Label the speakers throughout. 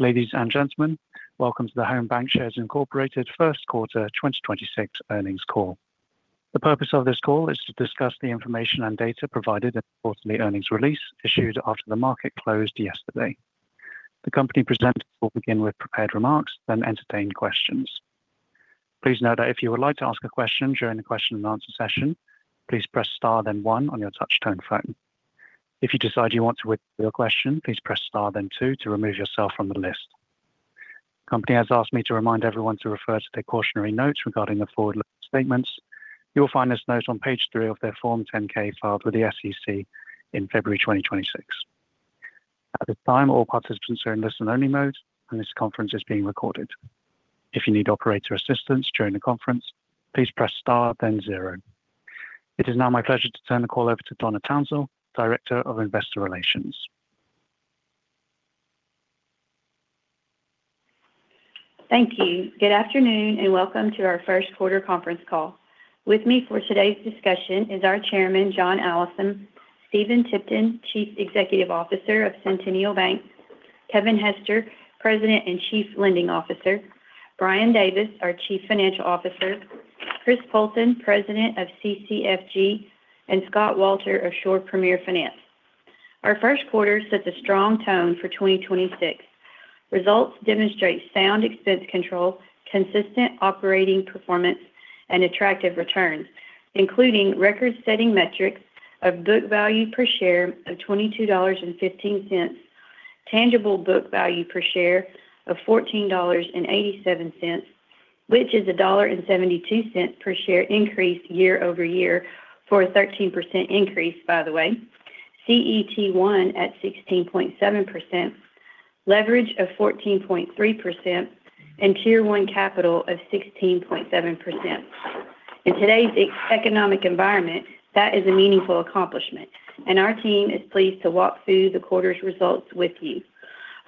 Speaker 1: Ladies and gentlemen, welcome to the Home BancShares, Inc. first quarter 2026 earnings call. The purpose of this call is to discuss the information and data provided in the quarterly earnings release issued after the market closed yesterday. The company presenters will begin with prepared remarks, then entertain questions. Please note that if you would like to ask a question during the question and answer session, please press star then one on your touch-tone phone. If you decide you want to withdraw your question, please press star then two to remove yourself from the list. The company has asked me to remind everyone to refer to their cautionary notes regarding the forward-looking statements. You will find this note on page three of their Form 10-K filed with the SEC in February 2026. At this time, all participants are in listen-only mode, and this conference is being recorded. It is now my pleasure to turn the call over to Donna Townsell, Director of Investor Relations.
Speaker 2: Thank you. Good afternoon, and welcome to our first quarter conference call. With me for today's discussion is our Chairman, John Allison, Stephen Tipton, Chief Executive Officer of Centennial Bank, Kevin Hester, President and Chief Lending Officer, Brian Davis, our Chief Financial Officer, Chris Poulton, President of CCFG, and Scott Walter of Shore Premier Finance. Our first quarter sets a strong tone for 2026. Results demonstrate sound expense control, consistent operating performance, and attractive returns, including record-setting metrics of book value per share of $22.15, tangible book value per share of $14.87, which is $1.72 per share increase year-over-year for a 13% increase by the way, CET1 at 16.7%, leverage of 14.3%, and Tier one capital of 16.7%. In today's economic environment, that is a meaningful accomplishment, and our team is pleased to walk through the quarter's results with you.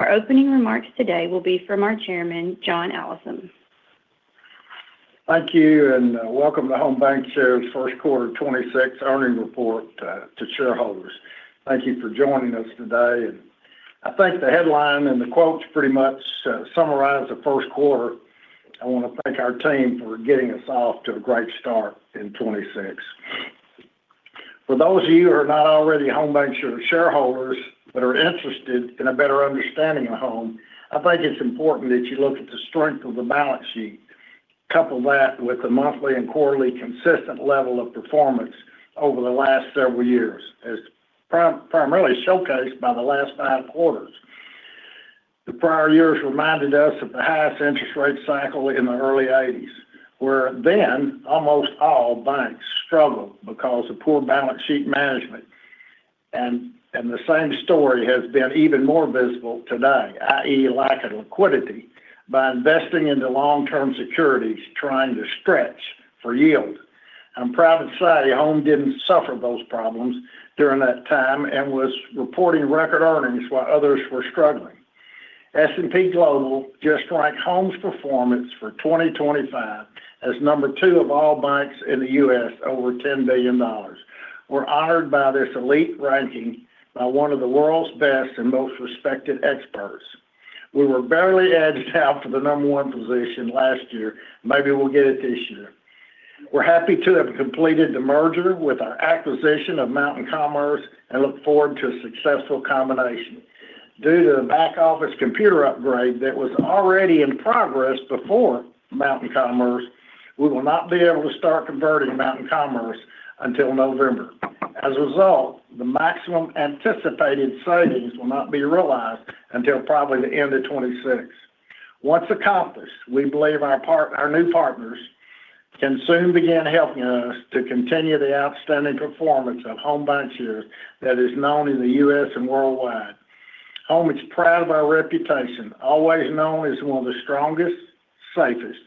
Speaker 2: Our opening remarks today will be from our Chairman, John Allison.
Speaker 3: Thank you, and welcome to Home BancShares' first quarter 2026 earnings report to shareholders. Thank you for joining us today. I think the headline and the quotes pretty much summarize the first quarter. I want to thank our team for getting us off to a great start in 2026. For those of you who are not already Home BancShares shareholders but are interested in a better understanding of Home, I think it's important that you look at the strength of the balance sheet. Couple that with the monthly and quarterly consistent level of performance over the last several years, as primarily showcased by the last nine quarters. The prior years reminded us of the highest interest rate cycle in the early '80s, where then almost all banks struggled because of poor balance sheet management. The same story has been even more visible today, i.e., lack of liquidity by investing into long-term securities trying to stretch for yield. I'm proud to say Home didn't suffer those problems during that time and was reporting record earnings while others were struggling. S&P Global just ranked Home's performance for 2025 as number two of all banks in the U.S. over $10 billion. We're honored by this elite ranking by one of the world's best and most respected experts. We were barely edged out for the number one position last year. Maybe we'll get it this year. We're happy to have completed the merger with our acquisition of Mountain Commerce and look forward to a successful combination. Due to the back office computer upgrade that was already in progress before Mountain Commerce, we will not be able to start converting Mountain Commerce until November. As a result, the maximum anticipated savings will not be realized until probably the end of 2026. Once accomplished, we believe our new partners can soon begin helping us to continue the outstanding performance of Home BancShares that is known in the U.S. and worldwide. Home is proud of our reputation, always known as one of the strongest, safest,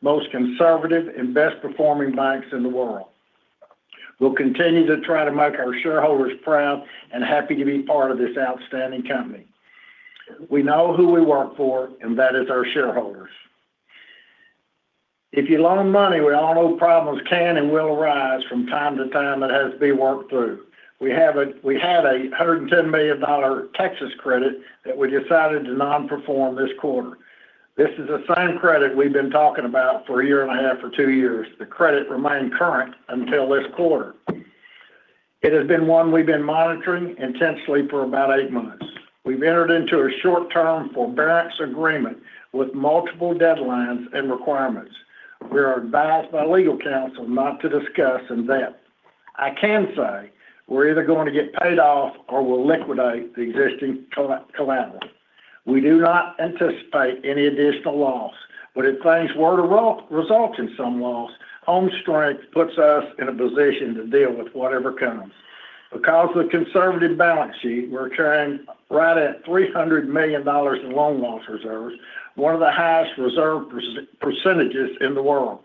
Speaker 3: most conservative, and best performing banks in the world. We'll continue to try to make our shareholders proud and happy to be part of this outstanding company. We know who we work for, and that is our shareholders. If you loan money, we all know problems can and will arise from time to time that has to be worked through. We had a $110 million Texas credit that we decided to non-perform this quarter. This is the same credit we've been talking about for a year and a half or two years. The credit remained current until this quarter. It has been one we've been monitoring intensely for about eight months. We've entered into a short-term forbearance agreement with multiple deadlines and requirements. We are advised by legal counsel not to discuss in depth. I can say we're either going to get paid off or we'll liquidate the existing collateral. We do not anticipate any additional loss, but if things were to result in some loss, Home's strength puts us in a position to deal with whatever comes. Because of the conservative balance sheet, we're carrying right at $300 million in loan loss reserves, one of the highest reserve percentages in the world.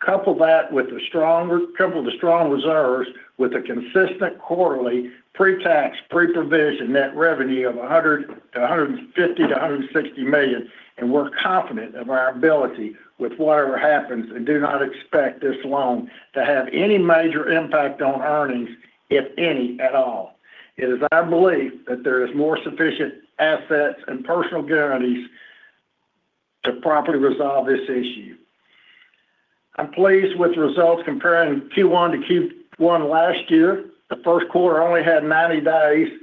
Speaker 3: Couple the strong reserves with a consistent quarterly pre-tax, pre-provision net revenue of $150 million-$160 million. We're confident of our ability with whatever happens, and do not expect this loan to have any major impact on earnings, if any at all. It is our belief that there is more sufficient assets and personal guarantees to properly resolve this issue. I'm pleased with the results comparing Q1 to Q1 last year. The first quarter only had 90 days,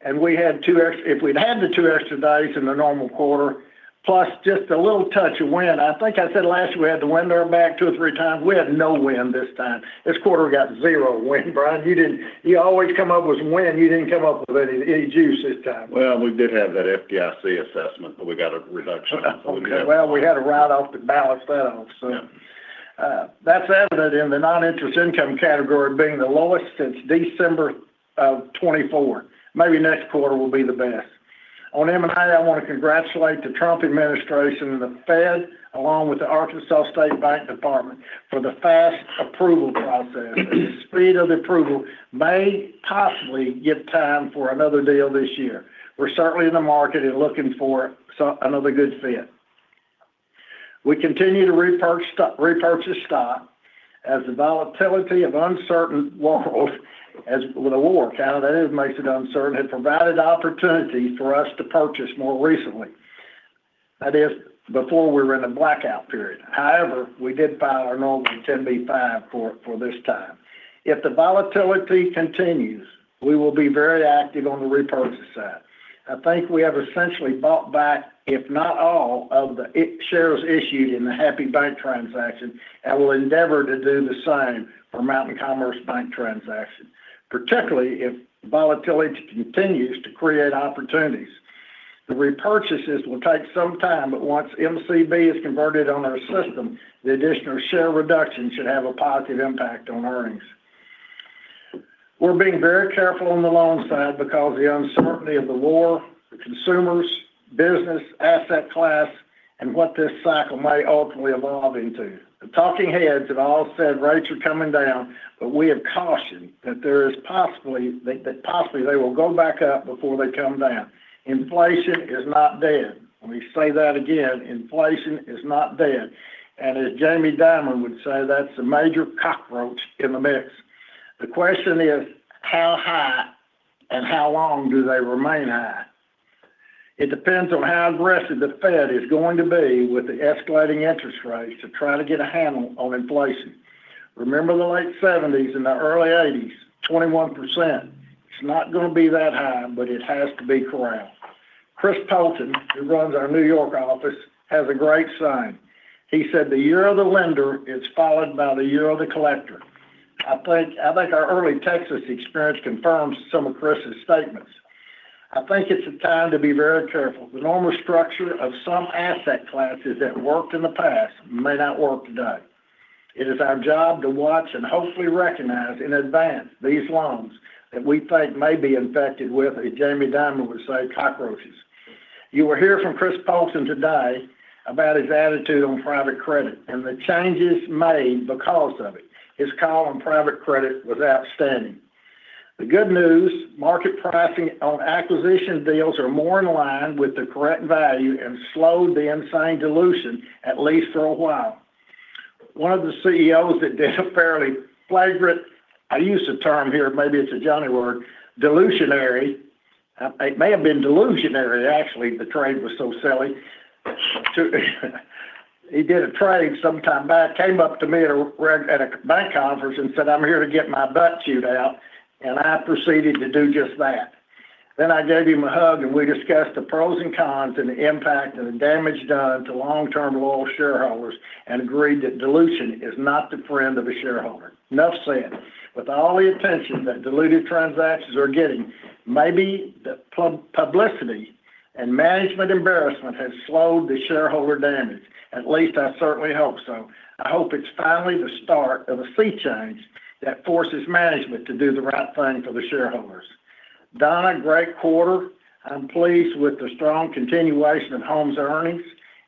Speaker 3: and if we'd had the two extra days in the normal quarter, plus just a little touch of wind, I think I said last year we had the wind at our back two or three times. We had no wind this time. This quarter we got zero wind, Brian. You always come up with wind, you didn't come up with any juice this time.
Speaker 4: Well, we did have that FDIC assessment, but we got a reduction.
Speaker 3: Okay. Well, we had to write off to balance that off, so.
Speaker 4: Yeah.
Speaker 3: That's evident in the non-interest income category being the lowest since December of 2024. Maybe next quarter will be the best. On M&A, I want to congratulate the Trump administration and the Fed, along with the Arkansas State Bank Department for the fast approval process. Speed of approval may possibly give time for another deal this year. We're certainly in the market and looking for another good fit. We continue to repurchase stock as the volatility of uncertain world as with a war, kind of, that makes it uncertain, has provided opportunities for us to purchase more recently. That is, before we were in a blackout period. However, we did file our normal 10b5-1 for this time. If the volatility continues, we will be very active on the repurchase side. I think we have essentially bought back, if not all of the shares issued in the Happy Bancshares transaction, and will endeavor to do the same for Mountain Commerce Bank transaction, particularly if volatility continues to create opportunities. The repurchases will take some time, but once MCB is converted on our system, the additional share reduction should have a positive impact on earnings. We're being very careful on the loan side because the uncertainty of the war, the consumers, business, asset class, and what this cycle may ultimately evolve into. The talking heads have all said rates are coming down, but we have cautioned that possibly they will go back up before they come down. Inflation is not dead. Let me say that again, inflation is not dead, and as Jamie Dimon would say, that's a major cockroach in the mix. The question is, how high and how long do they remain high? It depends on how aggressive the Fed is going to be with the escalating interest rates to try to get a handle on inflation. Remember the late '70s and the early '80s, 21%. It's not going to be that high, but it has to be corralled. Chris Poulton, who runs our New York office, has a great sign. He said the year of the lender is followed by the year of the collector. I think our early Texas experience confirms some of Chris's statements. I think it's a time to be very careful. The normal structure of some asset classes that worked in the past may not work today. It is our job to watch and hopefully recognize in advance these loans that we think may be infected with, as Jamie Dimon would say, cockroaches. You will hear from Chris Poulton today about his attitude on private credit and the changes made because of it. His call on private credit was outstanding. The good news, market pricing on acquisition deals are more in line with the correct value and slowed the insane dilution, at least for a while. One of the CEOs that did a fairly flagrant, I use the term here, maybe it's a Johnny word, delusional. It may have been delusional, actually, the trade was so silly. He did a trade some time back, came up to me at a bank conference and said, "I'm here to get my butt chewed out," and I proceeded to do just that. I gave him a hug, and we discussed the pros and cons and the impact and the damage done to long-term loyal shareholders and agreed that dilution is not the friend of a shareholder. Enough said. With all the attention that dilutive transactions are getting, maybe the publicity and management embarrassment has slowed the shareholder damage. At least I certainly hope so. I hope it's finally the start of a sea change that forces management to do the right thing for the shareholders. Donna, great quarter. I'm pleased with the strong continuation of Home's earnings.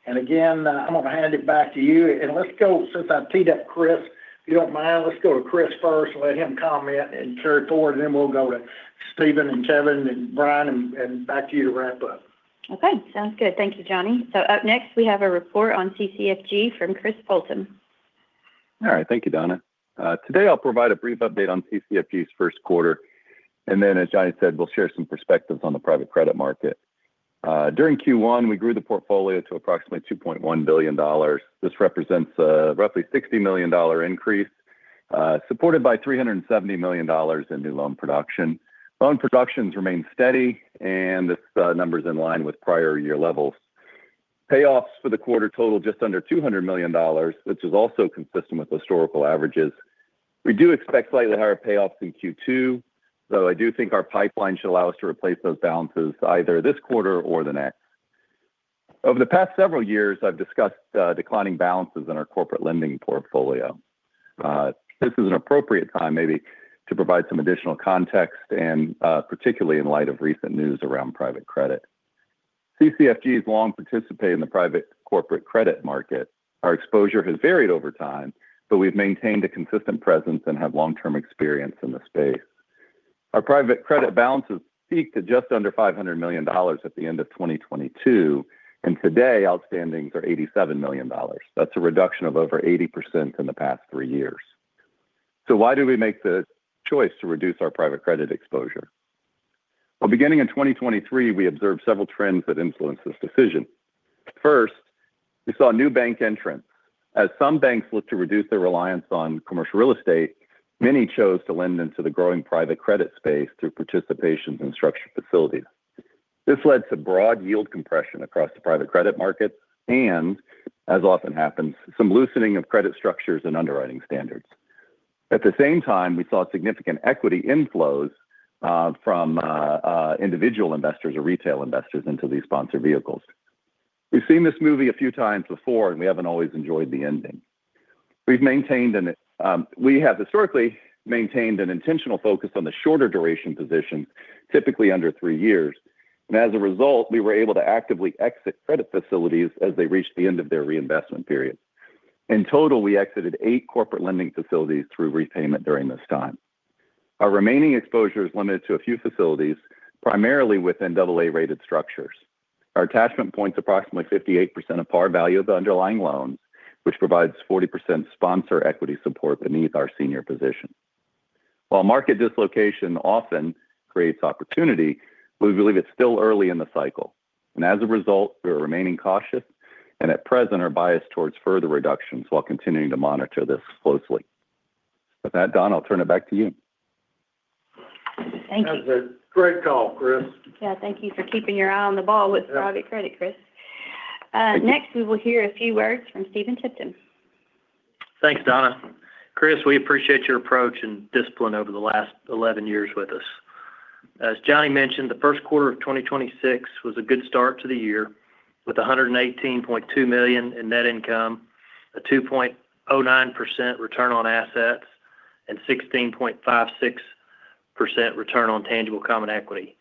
Speaker 3: Again, I'm going to hand it back to you. Let's go, since I teed up Chris, if you don't mind, let's go to Chris first and let him comment and carry forward, and then we'll go to Stephen and Kevin and Brian and back to you to wrap up.
Speaker 2: Okay, sounds good. Thank you, Johnny. Up next, we have a report on CCFG from Chris Poulton.
Speaker 5: All right. Thank you, Donna. Today, I'll provide a brief update on CCFG's first quarter, and then as Johnny said, we'll share some perspectives on the private credit market. During Q1, we grew the portfolio to approximately $2.1 billion. This represents a roughly $60 million increase, supported by $370 million in new loan production. Loan productions remain steady, and this number's in line with prior year levels. Payoffs for the quarter total just under $200 million, which is also consistent with historical averages. We do expect slightly higher payoffs in Q2, though I do think our pipeline should allow us to replace those balances either this quarter or the next. Over the past several years, I've discussed declining balances in our corporate lending portfolio. This is an appropriate time maybe to provide some additional context, and particularly in light of recent news around private credit. CCFG has long participated in the private corporate credit market. Our exposure has varied over time, but we've maintained a consistent presence and have long-term experience in the space. Our private credit balances peaked at just under $500 million at the end of 2022, and today, outstandings are $87 million. That's a reduction of over 80% in the past three years. Why did we make the choice to reduce our private credit exposure? Well, beginning in 2023, we observed several trends that influenced this decision. First, we saw new bank entrants. As some banks looked to reduce their reliance on commercial real estate, many chose to lend into the growing private credit space through participations and structured facilities. This led to broad yield compression across the private credit markets and, as often happens, some loosening of credit structures and underwriting standards. At the same time, we saw significant equity inflows from individual investors or retail investors into these sponsored vehicles. We've seen this movie a few times before, and we haven't always enjoyed the ending. We have historically maintained an intentional focus on the shorter duration positions, typically under three years, and as a result, we were able to actively exit credit facilities as they reached the end of their reinvestment periods. In total, we exited eight corporate lending facilities through repayment during this time. Our remaining exposure is limited to a few facilities, primarily within AA-rated structures. Our attachment points approximately 58% of par value of the underlying loans, which provides 40% sponsor equity support beneath our senior position. While market dislocation often creates opportunity, we believe it's still early in the cycle. As a result, we are remaining cautious and at present are biased towards further reductions while continuing to monitor this closely. With that, Donna, I'll turn it back to you.
Speaker 2: Thank you.
Speaker 3: That was a great call, Chris.
Speaker 2: Yeah, thank you for keeping your eye on the ball with private credit, Chris. Next, we will hear a few words from Stephen Tipton.
Speaker 6: Thanks, Donna. Chris, we appreciate your approach and discipline over the last 11 years with us. As Johnny mentioned, the first quarter of 2026 was a good start to the year with $118.2 million in net income, a 2.09% return on assets, and 16.56% return on tangible common equity.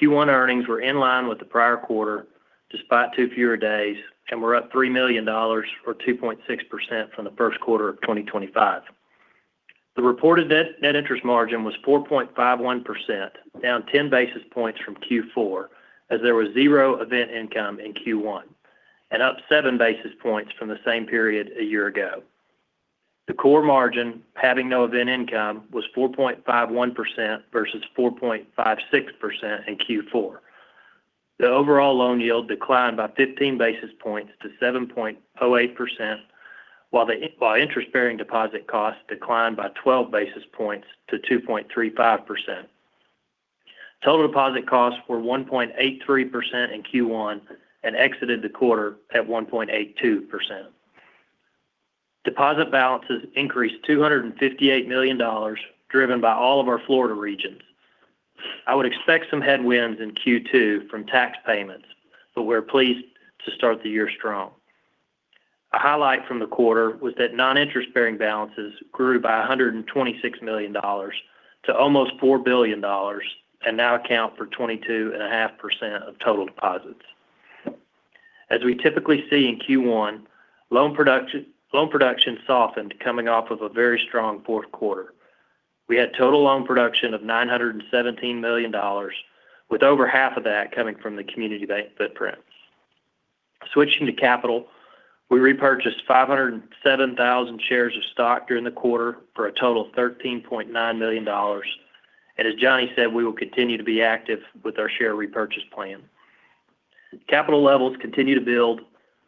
Speaker 6: Q1 earnings were in line with the prior quarter despite two fewer days, and were up $3 million, or 2.6% from the first quarter of 2025. The reported net interest margin was 4.51%, down 10 basis points from Q4, as there was zero event income in Q1, and up 7 basis points from the same period a year ago. The core margin, having no event income, was 4.51% versus 4.56% in Q4. The overall loan yield declined by 15 basis points to 7.08%, while interest-bearing deposit costs declined by 12 basis points to 2.35%. Total deposit costs were 1.83% in Q1 and exited the quarter at 1.82%. Deposit balances increased $258 million, driven by all of our Florida regions. I would expect some headwinds in Q2 from tax payments, but we're pleased to start the year strong. A highlight from the quarter was that non-interest-bearing balances grew by $126 million to almost $4 billion and now account for 22.5% of total deposits. As we typically see in Q1, loan production softened coming off of a very strong fourth quarter. We had total loan production of $917 million, with over half of that coming from the community bank footprints. Switching to capital, we repurchased 507,000 shares of stock during the quarter for a total of $13.9 million. As Johnny said, we will continue to be active with our share repurchase plan. Capital levels continue to build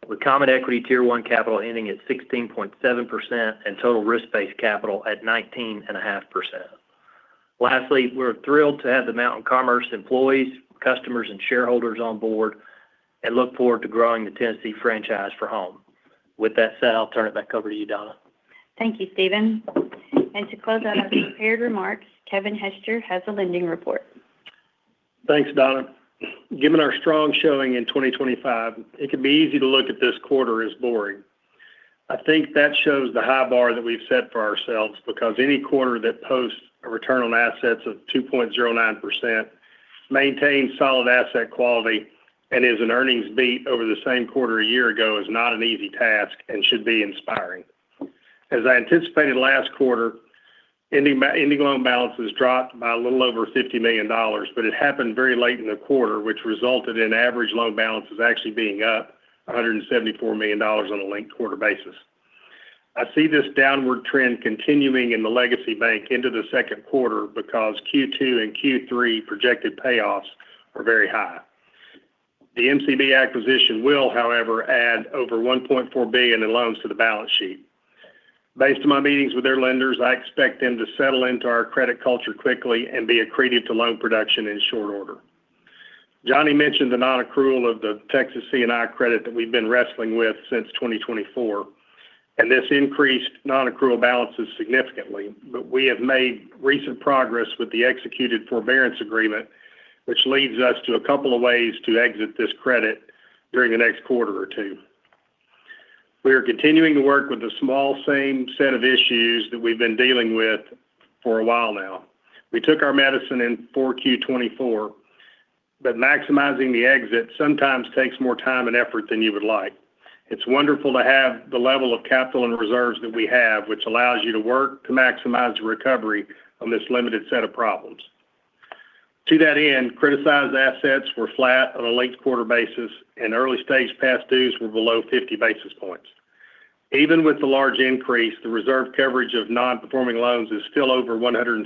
Speaker 6: with Common Equity Tier one capital ending at 16.7% and total risk-based capital at 19.5%. Lastly, we're thrilled to have the Mountain Commerce employees, customers, and shareholders on board and look forward to growing the Tennessee franchise for Home. With that said, I'll turn it back over to you, Donna.
Speaker 2: Thank you, Stephen. To close out our prepared remarks, Kevin Hester has a lending report.
Speaker 7: Thanks, Donna. Given our strong showing in 2025, it can be easy to look at this quarter as boring. I think that shows the high bar that we've set for ourselves because any quarter that posts a return on assets of 2.09%, maintains solid asset quality, and is an earnings beat over the same quarter a year ago is not an easy task and should be inspiring. As I anticipated last quarter, ending loan balances dropped by a little over $50 million, but it happened very late in the quarter, which resulted in average loan balances actually being up $174 million on a linked-quarter basis. I see this downward trend continuing in the legacy bank into the second quarter because Q2 and Q3 projected payoffs are very high. The MCB acquisition will, however, add over $1.4 billion in loans to the balance sheet. Based on my meetings with their lenders, I expect them to settle into our credit culture quickly and be accretive to loan production in short order. Johnny mentioned the non-accrual of the Texas C&I credit that we've been wrestling with since 2024, and this increased non-accrual balances significantly. We have made recent progress with the executed forbearance agreement, which leads us to a couple of ways to exit this credit during the next quarter or two. We are continuing to work with a small same set of issues that we've been dealing with for a while now. We took our medicine in 4Q 2024. Maximizing the exit sometimes takes more time and effort than you would like. It's wonderful to have the level of capital and reserves that we have, which allows you to work to maximize the recovery on this limited set of problems. To that end, criticized assets were flat on a linked quarter basis, and early stage past dues were below 50 basis points. Even with the large increase, the reserve coverage of non-performing loans is still over 160%.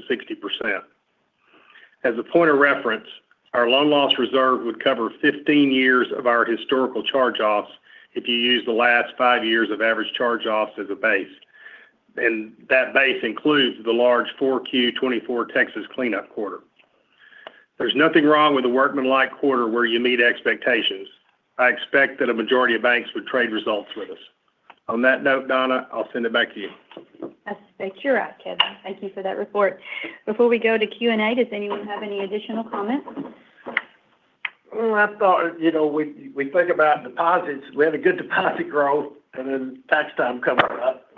Speaker 7: As a point of reference, our loan loss reserve would cover 15 years of our historical charge-offs if you use the last five years of average charge-offs as a base. That base includes the large 4Q 2024 Texas cleanup quarter. There's nothing wrong with a workman-like quarter where you meet expectations. I expect that a majority of banks would trade results with us. On that note, Donna, I'll send it back to you.
Speaker 2: I suspect you're right, Kevin. Thank you for that report. Before we go to Q&A, does anyone have any additional comments?
Speaker 3: Well, when we think about deposits. We had a good deposit growth, and then tax time coming up.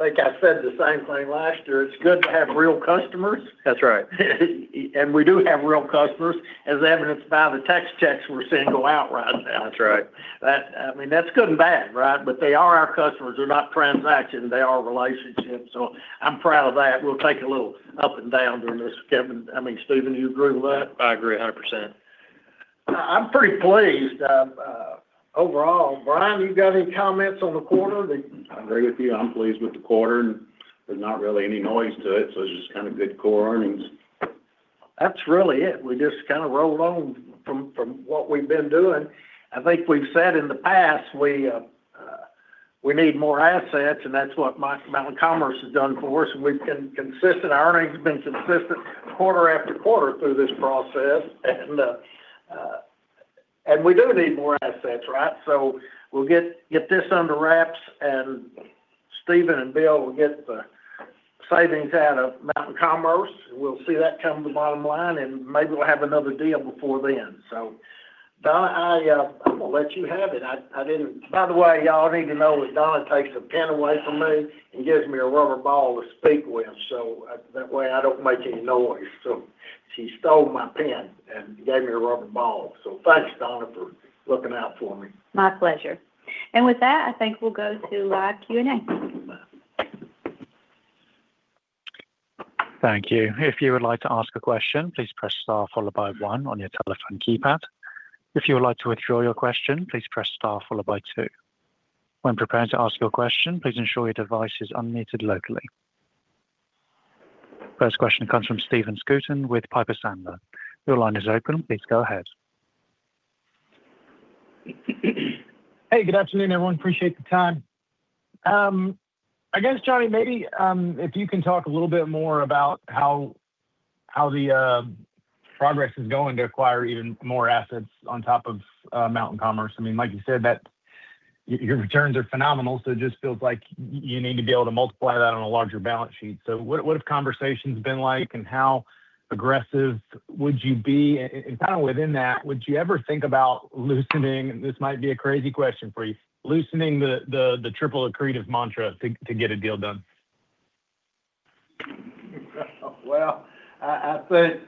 Speaker 3: I think I said the same thing last year. It's good to have real customers.
Speaker 7: That's right.
Speaker 3: We do have real customers, as evidenced by the tax checks we're seeing go out right now.
Speaker 7: That's right.
Speaker 3: That's good and bad, right? They are our customers. They're not transactional, they are relationships. I'm proud of that. We'll take a little up and down during this, Kevin. I mean, Steven, you agree with that?
Speaker 6: I agree 100%.
Speaker 3: I'm pretty pleased overall. Brian, you got any comments on the quarter?
Speaker 4: I agree with you. I'm pleased with the quarter, and there's not really any noise to it, so it's just kind of good core earnings.
Speaker 3: That's really it. We just kind of rolled on from what we've been doing. I think we've said in the past we need more assets, and that's what Mountain Commerce has done for us, and our earnings have been consistent quarter after quarter through this process. We do need more assets, right? We'll get this under wraps, and Stephen and Bill will get the savings out of Mountain Commerce. We'll see that come to the bottom line, maybe we'll have another deal before then. Donna, I'm going to let you have it. By the way, y'all need to know that Donna takes a pen away from me and gives me a rubber ball to speak with, so that way I don't make any noise. She stole my pen and gave me a rubber ball. Thanks, Donna, for looking out for me.
Speaker 2: My pleasure. With that, I think we'll go to live Q&A.
Speaker 3: Bye.
Speaker 1: Thank you. If you like to ask a question please press star followed by one on your telephone keypad. If you like to withdraw your question, please press star followed by two. When preparing to ask your question please ensure your device is unmuted locally. First question comes from Stephen Scouten with Piper Sandler. Your line is open. Please go ahead.
Speaker 8: Hey, good afternoon, everyone. Appreciate the time. I guess, Johnny, maybe, if you can talk a little bit more about how the process is going to acquire even more assets on top of Mountain Commerce. Like you said, your returns are phenomenal, so it just feels like you need to be able to multiply that on a larger balance sheet. What have conversations been like and how aggressive would you be? Kind of within that, would you ever think about loosening, this might be a crazy question for you, loosening the triple accretive mantra to get a deal done?
Speaker 3: Well, I think,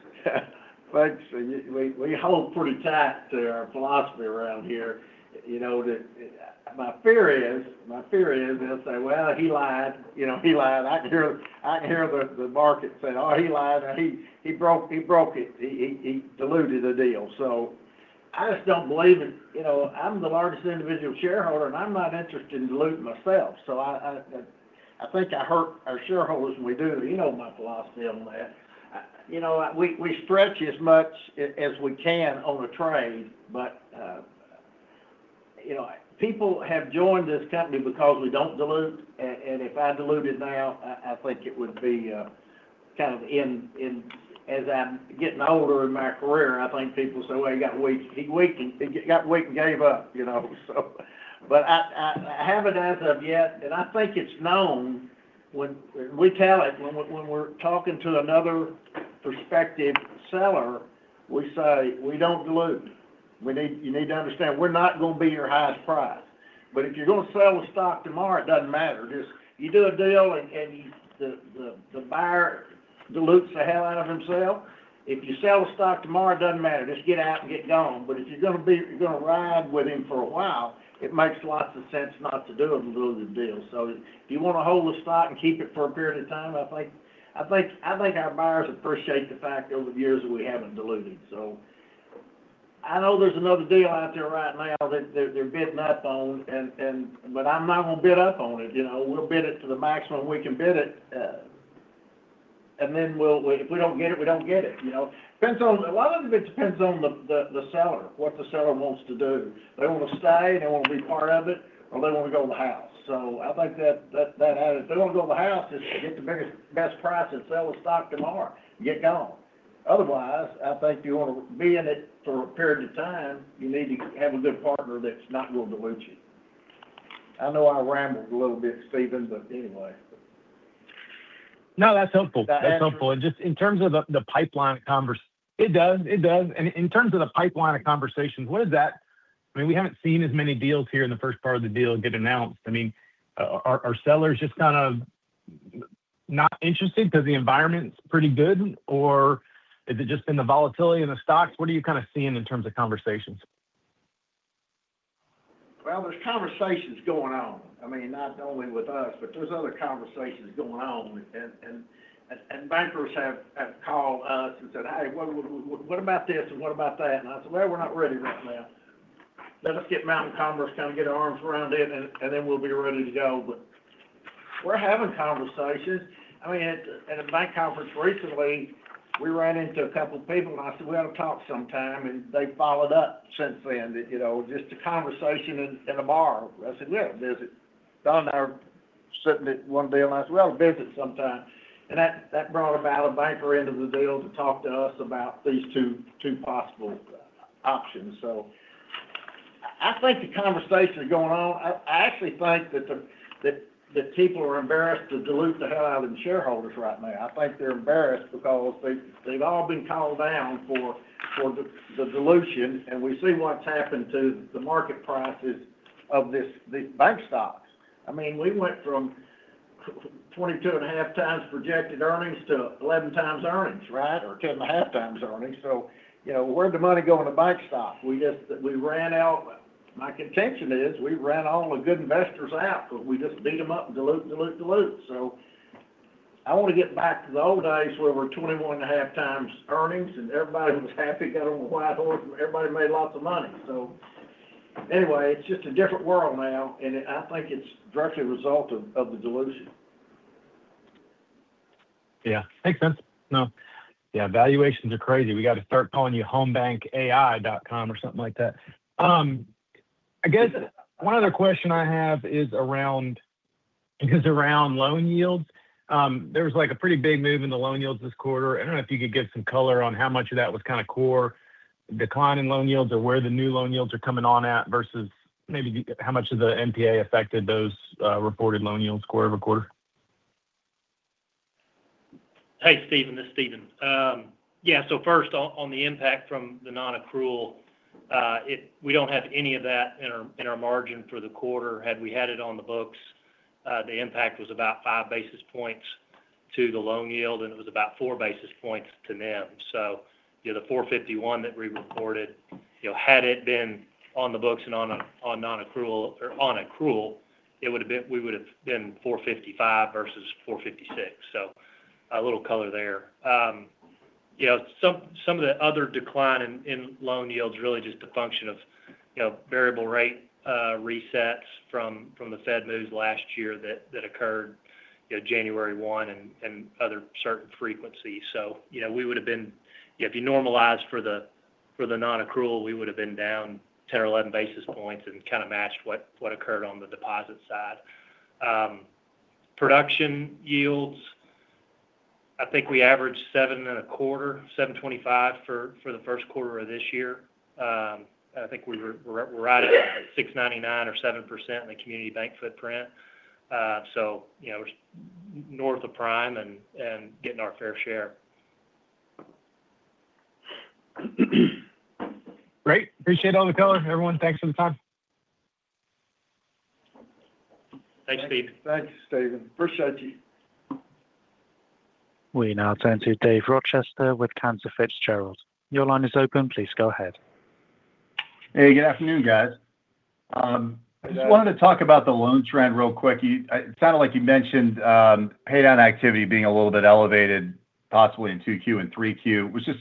Speaker 3: folks, we hold pretty tight to our philosophy around here. My fear is, they'll say, "Well, he lied, he lied." I can hear the market saying, "Oh, he lied. He broke it. He diluted a deal." So I just don't believe it. I'm the largest individual shareholder, and I'm not interested in diluting myself. So I think I hurt our shareholders when we do. You know my philosophy on that. We stretch as much as we can on a trade, but people have joined this company because we don't dilute, and if I diluted now, I think it would be kind of in, as I'm getting older in my career, and I think people say, "Well, he got weak and gave up." I haven't as of yet, and I think it's known when we tell it, when we're talking to another prospective seller, we say, "We don't dilute. You need to understand, we're not going to be your highest price. But if you're going to sell the stock tomorrow, it doesn't matter." Just you do a deal, and the buyer dilutes the hell out of himself. If you sell the stock tomorrow, it doesn't matter. Just get out and get gone. If you're going to ride with him for a while, it makes lots of sense not to do a diluted deal. If you want to hold the stock and keep it for a period of time, I think our buyers appreciate the fact over the years that we haven't diluted. I know there's another deal out there right now they're bidding up on, but I'm not going to bid up on it. We'll bid it to the maximum we can bid it, and then if we don't get it, we don't get it. A lot of it depends on the seller, what the seller wants to do. They want to stay, and they want to be part of it, or they want to go to the house. I think that if they want to go to the house, just get the biggest, best price and sell the stock tomorrow and get gone. Otherwise, I think if you want to be in it for a period of time, you need to have a good partner that's not going to dilute you. I know I rambled a little bit, Stephen, but anyway.
Speaker 8: No, that's helpful.
Speaker 3: That's okay.
Speaker 8: That's helpful. Just in terms of the pipeline of conversations, what is that? It does. In terms of the pipeline of conversations, what is that? We haven't seen as many deals here in the first part of the year get announced. Are sellers just kind of not interested because the environment's pretty good? Or is it just in the volatility in the stocks? What are you seeing in terms of conversations?
Speaker 3: Well, there's conversations going on. Not only with us, but there's other conversations going on. Bankers have called us and said, "Hey, what about this and what about that?" I said, "Well, we're not ready right now. Let us get Mountain Commerce, kind of get our arms around it, and then we'll be ready to go." We're having conversations. At a bank conference recently, we ran into a couple people, and I said, "We ought to talk sometime." They followed up since then, just a conversation in a bar. I said, "We ought to visit." Don and I were sitting at one of them last night, "We ought to visit sometime." That brought about a banker into the deal to talk to us about these two possible options. I think the conversation's going on. I actually think that the people are embarrassed to dilute the hell out of the shareholders right now. I think they're embarrassed because they've all been called down for the dilution, and we see what's happened to the market prices of these bank stocks. We went from 22.5 times projected earnings to 11 times earnings, right? Or 10.5 times earnings. Where'd the money go in the bank stock? My contention is we ran all the good investors out because we just beat them up and dilute. I want to get back to the old days where we're 21.5 times earnings, and everybody was happy, got on a white horse, and everybody made lots of money. Anyway, it's just a different world now, and I think it's directly a result of the dilution.
Speaker 8: Yeah. Makes sense. No. Yeah, valuations are crazy. We got to start calling you HomeBanc.ai.com or something like that. I guess one other question I have is around loan yields. There was a pretty big move in the loan yields this quarter. I don't know if you could give some color on how much of that was kind of core decline in loan yields or where the new loan yields are coming on at versus maybe how much of the NPA affected those reported loan yields quarter-over-quarter.
Speaker 6: Hey, Stephen, this is Stephen. Yeah. First on the impact from the non-accrual, we don't have any of that in our margin for the quarter. Had we had it on the books, the impact was about 5 basis points to the loan yield, and it was about 4 basis points to NIM. The 4.51% that we reported, had it been on the books and on accrual, we would've been 4.55% versus 4.56%. A little color there. Some of the other decline in loan yields are really just a function of variable rate resets from Federal Reserve moves last year that occurred January 1 and other certain frequencies. If you normalize for the non-accrual, we would've been down 10 or 11 basis points and kind of matched what occurred on the deposit side. Production yields, I think we averaged 7.25, 7.25 for the first quarter of this year. I think we're right at 6.99 or 7% in the community bank footprint. North of prime and getting our fair share.
Speaker 8: Great. Appreciate all the color, everyone. Thanks for the time.
Speaker 6: Thanks, Steve.
Speaker 3: Thanks, Stephen. Appreciate you.
Speaker 1: We now turn to Dave Rochester with Cantor Fitzgerald. Your line is open. Please go ahead.
Speaker 9: Hey, good afternoon, guys.
Speaker 7: Good afternoon.
Speaker 9: I just wanted to talk about the loan trend real quick. It sounded like you mentioned paydown activity being a little bit elevated possibly in 2Q and 3Q. Was just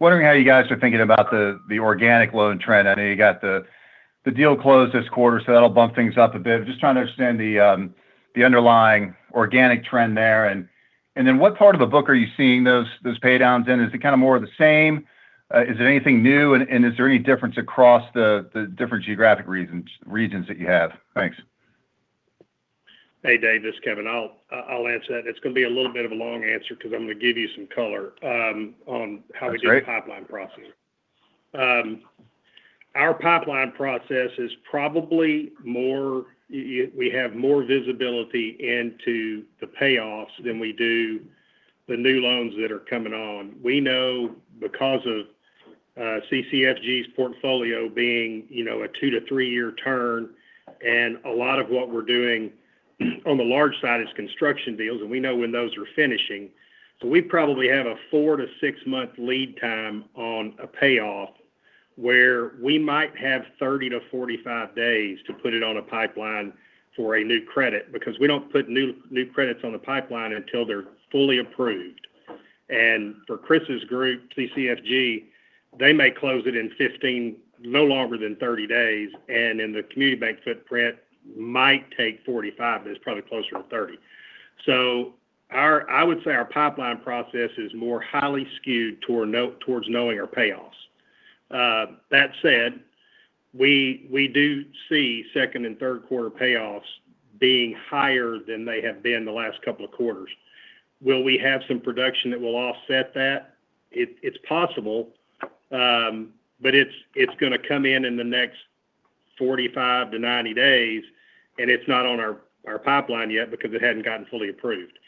Speaker 9: wondering how you guys are thinking about the organic loan trend. I know you got the deal closed this quarter, so that'll bump things up a bit. Just trying to understand the underlying organic trend there. What part of the book are you seeing those paydowns in? Is it kind of more of the same? Is it anything new? Is there any difference across the different geographic regions that you have? Thanks.
Speaker 7: Hey, Dave, this is Kevin. I'll answer that. It's going to be a little bit of a long answer because I'm going to give you some color on how we do the pipeline process.
Speaker 9: That's great.
Speaker 7: Our pipeline process is probably more, we have more visibility into the payoffs than we do the new loans that are coming on. We know because of CCFG's portfolio being a two- to three-year turn, and a lot of what we're doing on the large side is construction deals, and we know when those are finishing. We probably have a four- to six-month lead time on a payoff where we might have 30-45 days to put it on a pipeline for a new credit because we don't put new credits on the pipeline until they're fully approved. For Chris's group, CCFG, they may close it in 15, no longer than 30 days. In the community bank footprint, might take 45, but it's probably closer to 30. I would say our pipeline process is more highly skewed towards knowing our payoffs. That said, we do see second and third quarter payoffs being higher than they have been the last couple of quarters. Will we have some production that will offset that? It's possible, but it's going to come in in the next 45-90 days, and it's not on our pipeline yet because it hadn't gotten fully approved.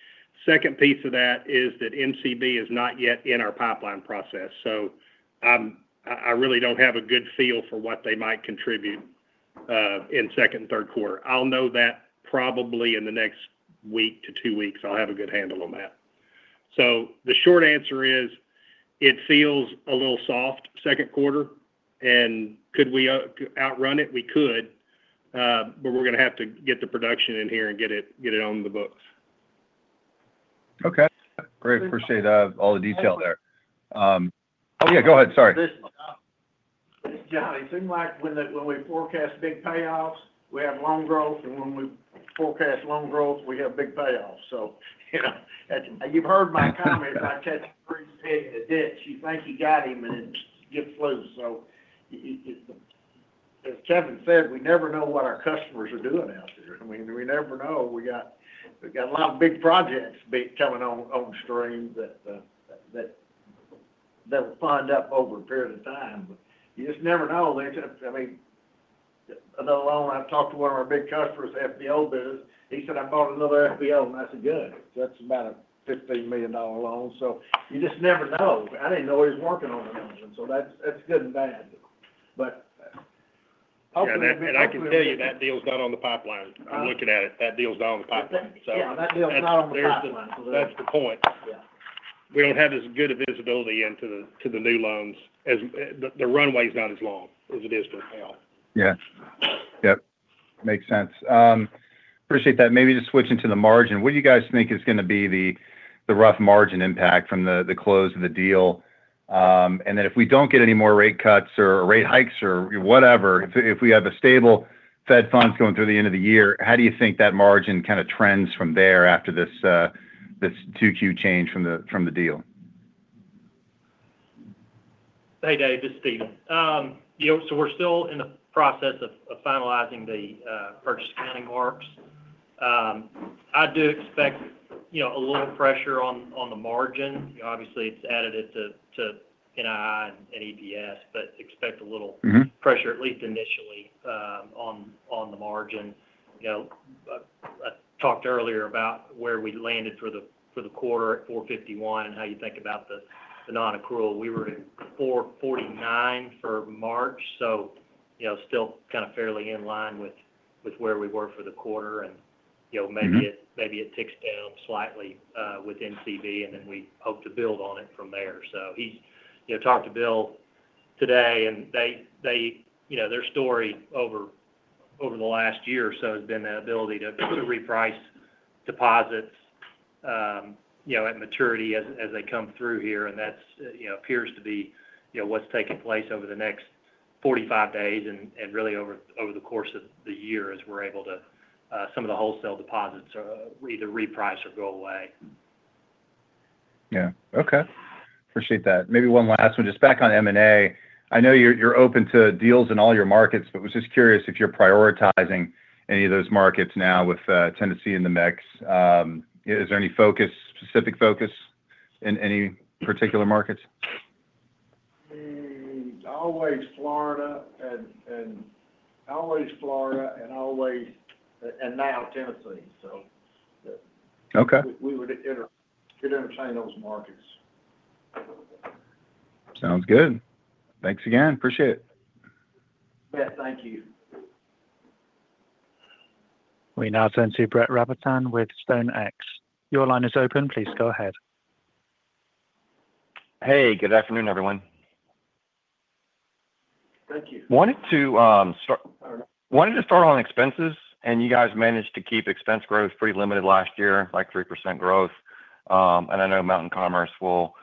Speaker 7: Second piece of that is that MCB is not yet in our pipeline process. So I really don't have a good feel for what they might contribute in second and third quarter. I'll know that probably in the next week to two weeks. I'll have a good handle on that. So the short answer is, it feels a little soft second quarter, and could we outrun it? We could, but we're going to have to get the production in here and get it on the books.
Speaker 9: Okay. Great. Appreciate all the detail there. Oh, yeah. Go ahead, sorry.
Speaker 3: This is John. It seems like when we forecast big payoffs, we have loan growth, and when we forecast loan growth, we have big payoffs. You've heard my comments about catching a grease pig in the ditch. You think you got him, and then he gets loose. As Kevin said, we never know what our customers are doing out there. We never know. We've got a lot of big projects coming on stream that will fund up over a period of time, but you just never know. Another loan, I talked to one of our big customers, FBO business. He said, "I bought another FBO," and I said, "Good." That's about a $15 million loan. You just never know. I didn't know he was working on another one, so that's good and bad. Hopefully.
Speaker 7: I can tell you that deal's not on the pipeline. I'm looking at it. That deal's not on the pipeline.
Speaker 3: Yeah. That deal's not on the pipeline.
Speaker 7: That's the point.
Speaker 3: Yeah.
Speaker 7: We don't have as good of visibility into the new loans. The runway's not as long as it is with payoff.
Speaker 9: Yeah. Makes sense. Appreciate that. Maybe just switching to the margin, what do you guys think is going to be the rough margin impact from the close of the deal? If we don't get any more rate cuts or rate hikes or whatever, if we have a stable Fed funds going through the end of the year, how do you think that margin kind of trends from there after this 2Q change from the deal?
Speaker 6: Hey, Dave, this is Stephen. We're still in the process of finalizing the purchase accounting marks. I do expect a little pressure on the margin. Obviously, it's additive to NII and EPS, but expect a little-
Speaker 9: Mm-hmm
Speaker 6: Pressure, at least initially, on the margin. I talked earlier about where we landed for the quarter at 4.51%, how you think about the non-accrual. We were at 4.49% for March, so still kind of fairly in line with where we were for the quarter, and maybe it ticks down slightly with MCB, and then we hope to build on it from there. Talked to Bill today, and their story over the last year or so has been the ability to reprice deposits at maturity as they come through here, and that appears to be what's taking place over the next 45 days and really over the course of the year as we're able to. Some of the wholesale deposits either reprice or go away.
Speaker 9: Yeah. Okay. Appreciate that. Maybe one last one, just back on M&A. I know you're open to deals in all your markets, but was just curious if you're prioritizing any of those markets now with Tennessee in the mix. Is there any specific focus in any particular markets?
Speaker 3: Also Florida and now Tennessee.
Speaker 9: Okay.
Speaker 3: We would entertain those markets.
Speaker 9: Sounds good. Thanks again. Appreciate it.
Speaker 3: Yeah, thank you.
Speaker 1: We now turn to Brett Rabatin with StoneX. Your line is open, please go ahead.
Speaker 10: Hey, good afternoon, everyone.
Speaker 3: Thank you.
Speaker 10: Wanted to start on expenses, and you guys managed to keep expense growth pretty limited last year, like 3% growth. I know Mountain Commerce will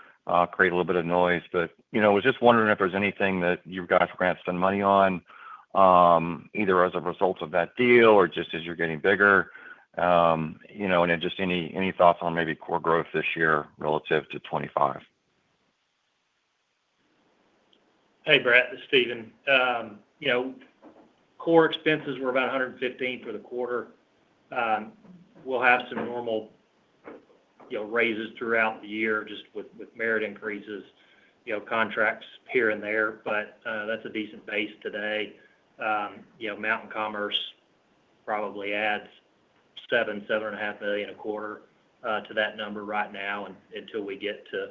Speaker 10: create a little bit of noise, but I was just wondering if there's anything that you guys plan to spend money on, either as a result of that deal or just as you're getting bigger. Just any thoughts on maybe core growth this year relative to 2025?
Speaker 6: Hey, Brett, this is Stephen. Core expenses were about $115 million for the quarter. We'll have some normal raises throughout the year just with merit increases, contracts here and there, but that's a decent base today. Mountain Commerce probably adds $7-7.5 million a quarter to that number right now until we get to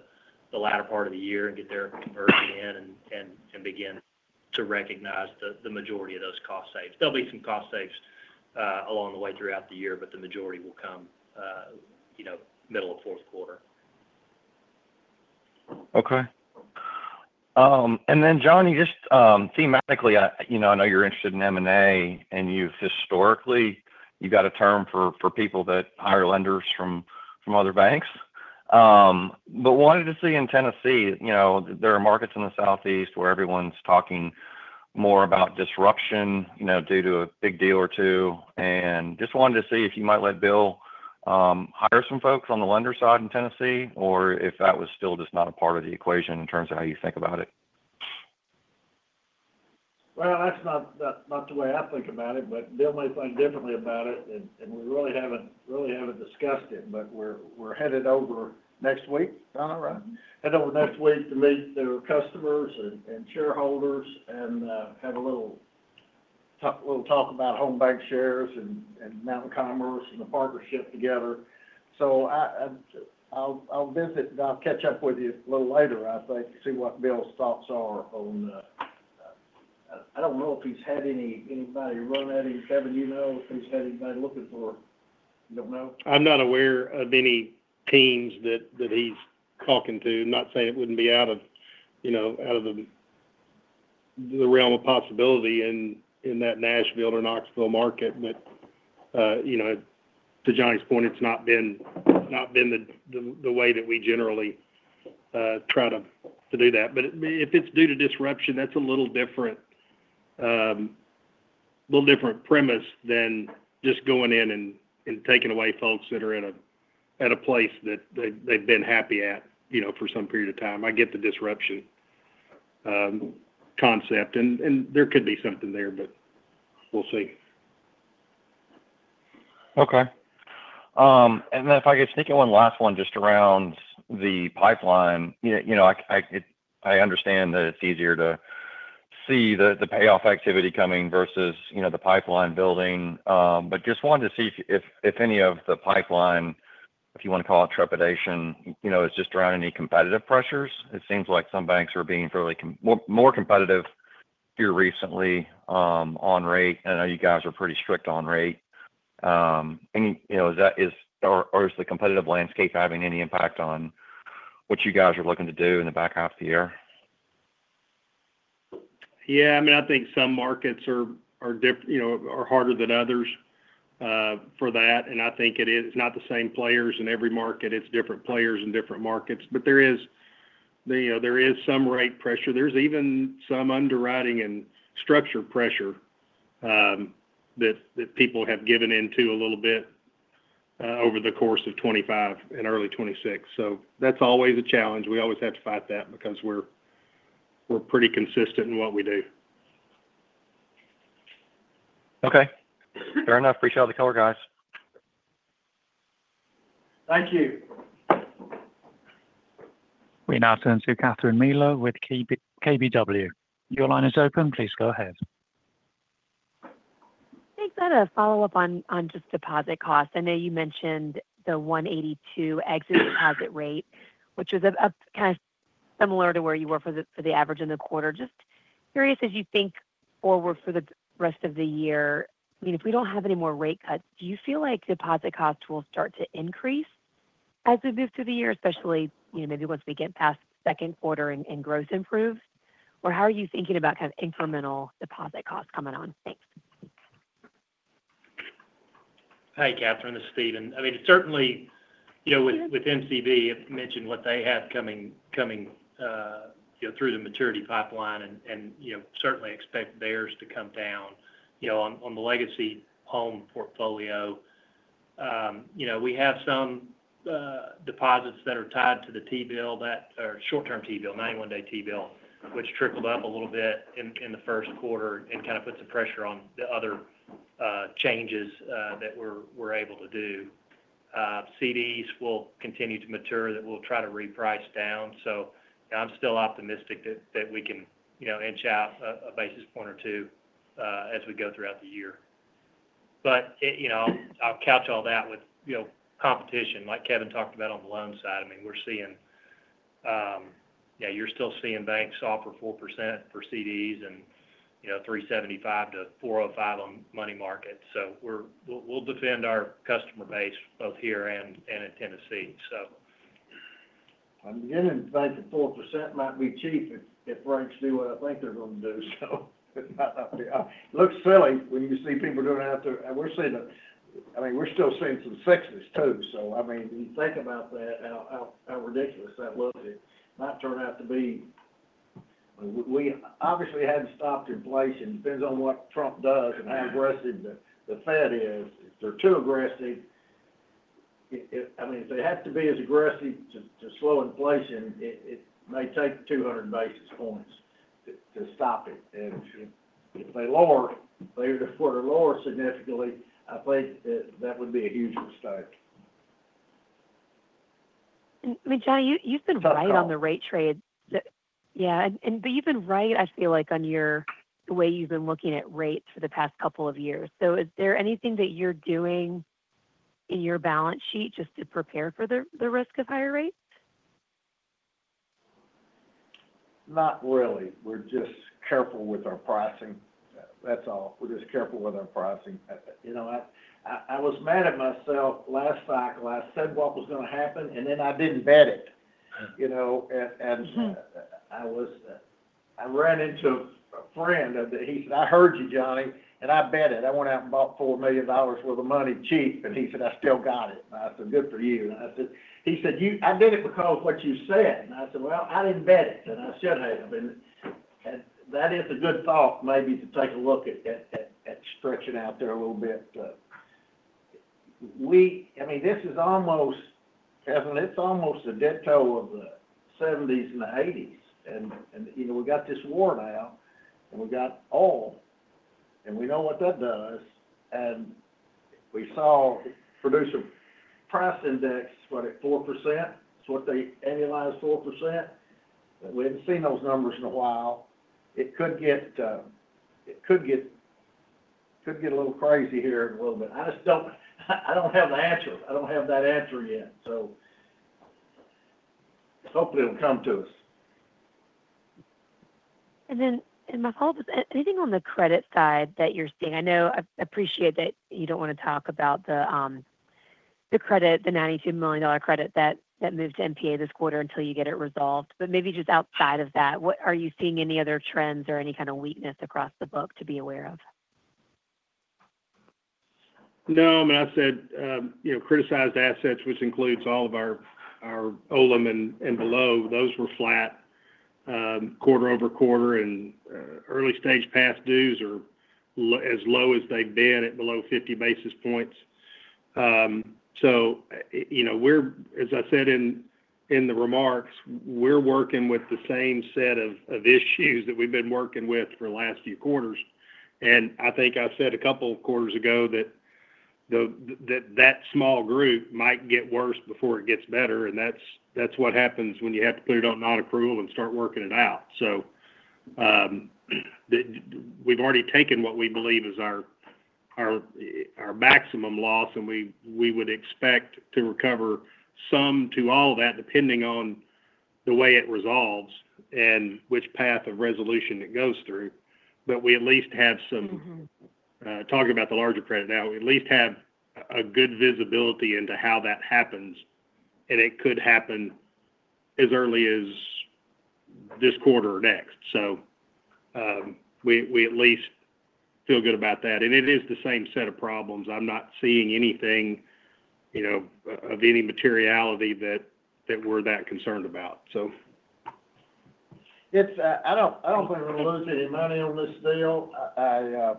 Speaker 6: the latter part of the year and get their conversion in and begin to recognize the majority of those cost savings. There'll be some cost savings along the way throughout the year, but the majority will come middle of fourth quarter.
Speaker 10: Okay. John, just thematically, I know you're interested in M&A, and historically, you got a term for people that hire lenders from other banks. Wanted to see in Tennessee, there are markets in the southeast where everyone's talking more about disruption due to a big deal or two, and just wanted to see if you might let Bill hire some folks on the lender side in Tennessee, or if that was still just not a part of the equation in terms of how you think about it.
Speaker 3: Well, that's not the way I think about it, but Bill may think differently about it, and we really haven't discussed it. We're headed over next week, is that about right? Headed over next week to meet their customers and shareholders and have a little talk about Home BancShares and Mountain Commerce and the partnership together. I'll visit, and I'll catch up with you a little later, I think, to see what Bill's thoughts are on. I don't know if he's had anybody run at him. Kevin, do you know if he's had anybody looking for him? You don't know?
Speaker 7: I'm not aware of any teams that he's talking to. Not saying it wouldn't be out of the realm of possibility in that Nashville or Knoxville market. To Johnny's point, it's not been the way that we generally try to do that. If it's due to disruption, that's a little different premise than just going in and taking away folks that are at a place that they've been happy at for some period of time. I get the disruption concept, and there could be something there, but we'll see.
Speaker 10: Okay. If I could sneak in one last one just around the pipeline. I understand that it's easier to see the payoff activity coming versus the pipeline building. Just wanted to see if any of the pipeline, if you want to call it trepidation, is just around any competitive pressures. It seems like some banks are being fairly more competitive here recently on rate. I know you guys are pretty strict on rate. Is the competitive landscape having any impact on what you guys are looking to do in the back half of the year?
Speaker 7: Yeah, I think some markets are harder than others for that, and I think it's not the same players in every market. It's different players in different markets. There is some rate pressure. There's even some underwriting and structure pressure that people have given into a little bit over the course of 2025 and early 2026. That's always a challenge. We always have to fight that because we're pretty consistent in what we do.
Speaker 10: Okay. Fair enough. Appreciate all the color, guys.
Speaker 3: Thank you.
Speaker 1: We now turn to Catherine Mealor with KBW. Your line is open. Please go ahead.
Speaker 11: Thanks. I had a follow-up on just deposit costs. I know you mentioned the 1.82% exit deposit rate, which was up kind of similar to where you were for the average in the quarter. Just curious as you think forward for the rest of the year, if we don't have any more rate cuts, do you feel like deposit costs will start to increase as we move through the year, especially maybe once we get past second quarter and growth improves? Or how are you thinking about kind of incremental deposit costs coming on? Thanks.
Speaker 6: Hi, Catherine. This is Stephen. Certainly, with MCB, it mentioned what they have coming through the maturity pipeline and certainly expect theirs to come down. On the legacy Home portfolio, we have some deposits that are tied to the T-bill, short-term T-bill, 91-day T-bill, which trickled up a little bit in the first quarter and kind of puts the pressure on the other changes that we're able to do. CDs will continue to mature that we'll try to reprice down. I'm still optimistic that we can inch out a basis point or two as we go throughout the year. I'll couch all that with competition, like Kevin talked about on the loan side. You're still seeing banks offer 4% for CDs and 3.75%-4.05% on money markets. We'll defend our customer base both here and in Tennessee.
Speaker 3: I'm beginning to think that 4% might be cheap if rates do what I think they're going to do. It looks silly when you see people going out there. We're still seeing some sixes, too. When you think about that, how ridiculous that looks, it might turn out to be. We obviously haven't stopped inflation. It depends on what Trump does and how aggressive the Federal Reserve is. If they're too aggressive, if they have to be as aggressive to slow inflation, it may take 200 basis points to stop it. If they lower significantly, I think that would be a huge mistake.
Speaker 11: Johnny, you've been right on the rate trade. You've been right on the way you've been looking at rates for the past couple of years. Is there anything that you're doing in your balance sheet just to prepare for the risk of higher rates?
Speaker 3: Not really. We're just careful with our pricing, that's all. I was mad at myself last cycle. I said what was going to happen, and then I didn't bet it. I ran into a friend. He said, "I heard you, Johnny, and I bet it. I went out and bought $4 million worth of cheap money." He said, "I still got it." I said, "Good for you." He said, "I did it because what you said." I said, "Well, I didn't bet it, and I should have." That is a good thought maybe to take a look at stretching out there a little bit. Kevin, it's almost a déjà vu of the 1970s and the 1980s. We got this war now, and we got oil, and we know what that does. We saw Producer Price Index, what, at 4%? Annualized 4%? We haven't seen those numbers in a while. It could get a little crazy here in a little bit. I don't have the answer. I don't have that answer yet. Hopefully, it'll come to us.
Speaker 11: My follow-up is anything on the credit side that you're seeing? I know. I appreciate that you don't want to talk about the $92 million credit that moved to NPA this quarter until you get it resolved. Maybe just outside of that, are you seeing any other trends or any kind of weakness across the book to be aware of?
Speaker 7: No. I said criticized assets, which includes all of our OLEM and below. Those were flat quarter-over-quarter. Early stage past dues are as low as they've been at below 50 basis points. As I said in the remarks, we're working with the same set of issues that we've been working with for the last few quarters. I think I said a couple of quarters ago that small group might get worse before it gets better, and that's what happens when you have to put it on non-accrual and start working it out. We've already taken what we believe is our maximum loss, and we would expect to recover some to all of that, depending on the way it resolves and which path of resolution it goes through. We at least have some-
Speaker 11: Mm-hmm
Speaker 7: Talking about the larger credit now, we at least have a good visibility into how that happens, and it could happen as early as this quarter or next. We at least feel good about that. It is the same set of problems. I'm not seeing anything of any materiality that we're concerned about.
Speaker 3: I don't think we're going to lose any money on this deal. I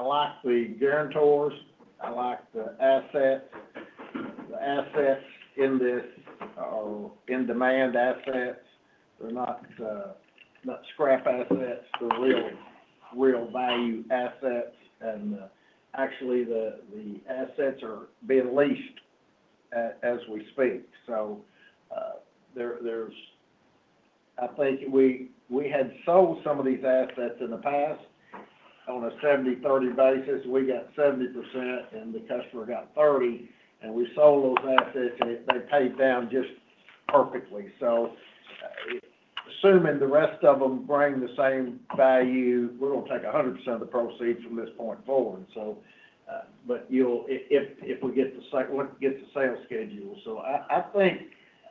Speaker 3: like the guarantors. I like the assets. The assets in this are in-demand assets. They're not scrap assets. They're real value assets, and actually the assets are being leased as we speak. I think we had sold some of these assets in the past on a 70/30 basis. We got 70% and the customer got 30%, and we sold those assets, and they paid down just perfectly. Assuming the rest of them bring the same value, we're going to take 100% of the proceeds from this point forward. But if we get the sale schedule, I think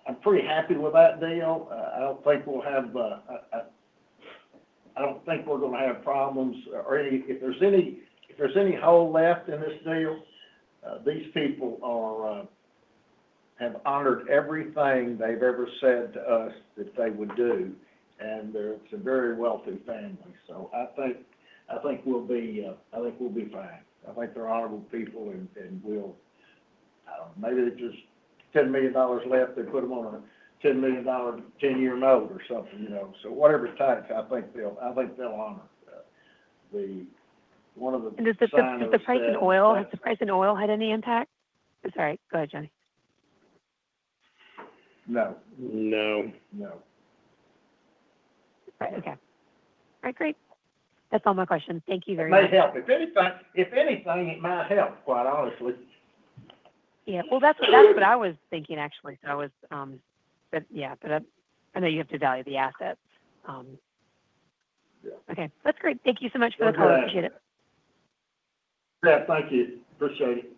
Speaker 3: I'm pretty happy with that deal. I don't think we're going to have problems. If there's any hole left in this deal, these people have honored everything they've ever said to us that they would do, and it's a very wealthy family. I think we'll be fine. I think they're honorable people, and maybe there's just $10 million left. They put them on a $10 million, 10-year note or something. Whatever it takes, I think they'll honor the one of the sign that said.
Speaker 11: Does the price of oil have any impact? Sorry, go ahead, Johnny.
Speaker 3: No.
Speaker 7: No.
Speaker 3: No.
Speaker 11: All right. Okay. All right, great. That's all my questions. Thank you very much.
Speaker 3: It may help. If anything, it might help, quite honestly.
Speaker 11: Yeah. Well, that's what I was thinking, actually. I know you have to value the assets.
Speaker 3: Yeah.
Speaker 11: Okay. That's great. Thank you so much for the call.
Speaker 3: You bet.
Speaker 11: Appreciate it.
Speaker 3: Yeah, thank you. Appreciate it.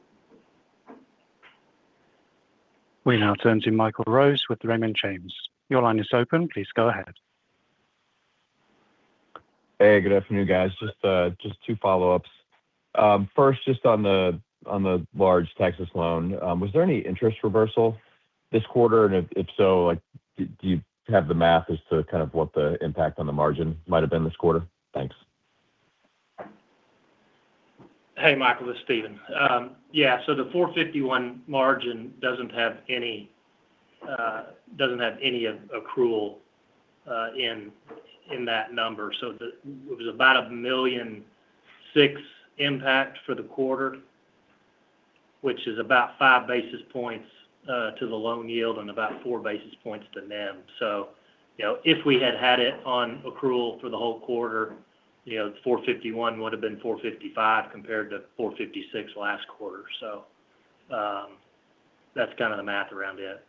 Speaker 1: We now turn to Michael Rose with Raymond James. Your line is open. Please go ahead.
Speaker 12: Hey, good afternoon, guys. Just two follow-ups. First, just on the large Texas loan, was there any interest reversal this quarter? And if so, do you have the math as to kind of what the impact on the margin might have been this quarter? Thanks.
Speaker 6: Hey, Michael, this is Stephen. Yeah. The 4.51% margin doesn't have any accrual in that number. It was about $1.6 million impact for the quarter, which is about 5 basis points to the loan yield and about 4 basis points to NIM. If we had had it on accrual for the whole quarter, 4.51% would've been 4.55% compared to 4.56% last quarter. That's kind of the math around it.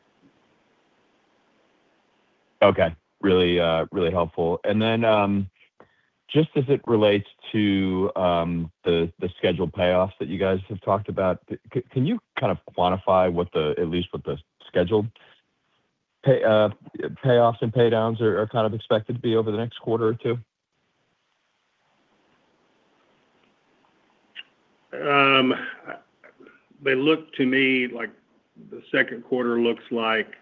Speaker 12: Okay. Really helpful. Just as it relates to the scheduled payoffs that you guys have talked about, can you kind of quantify at least what the scheduled payoffs and pay downs are kind of expected to be over the next quarter or two?
Speaker 7: They look to me like the second quarter looks like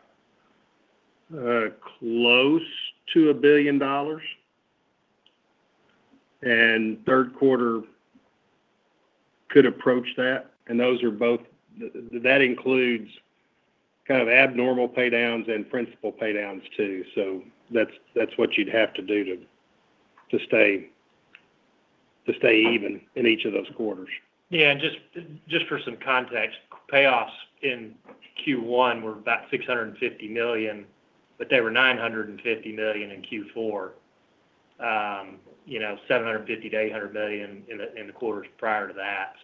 Speaker 7: close to $1 billion, and third quarter could approach that. Those are both that includes kind of abnormal pay downs and principal pay downs, too. That's what you'd have to do to stay even in each of those quarters.
Speaker 6: Yeah. Just for some context, payoffs in Q1 were about $650 million, but they were $950 million in Q4, $750 million-$800 million in the quarters prior to that.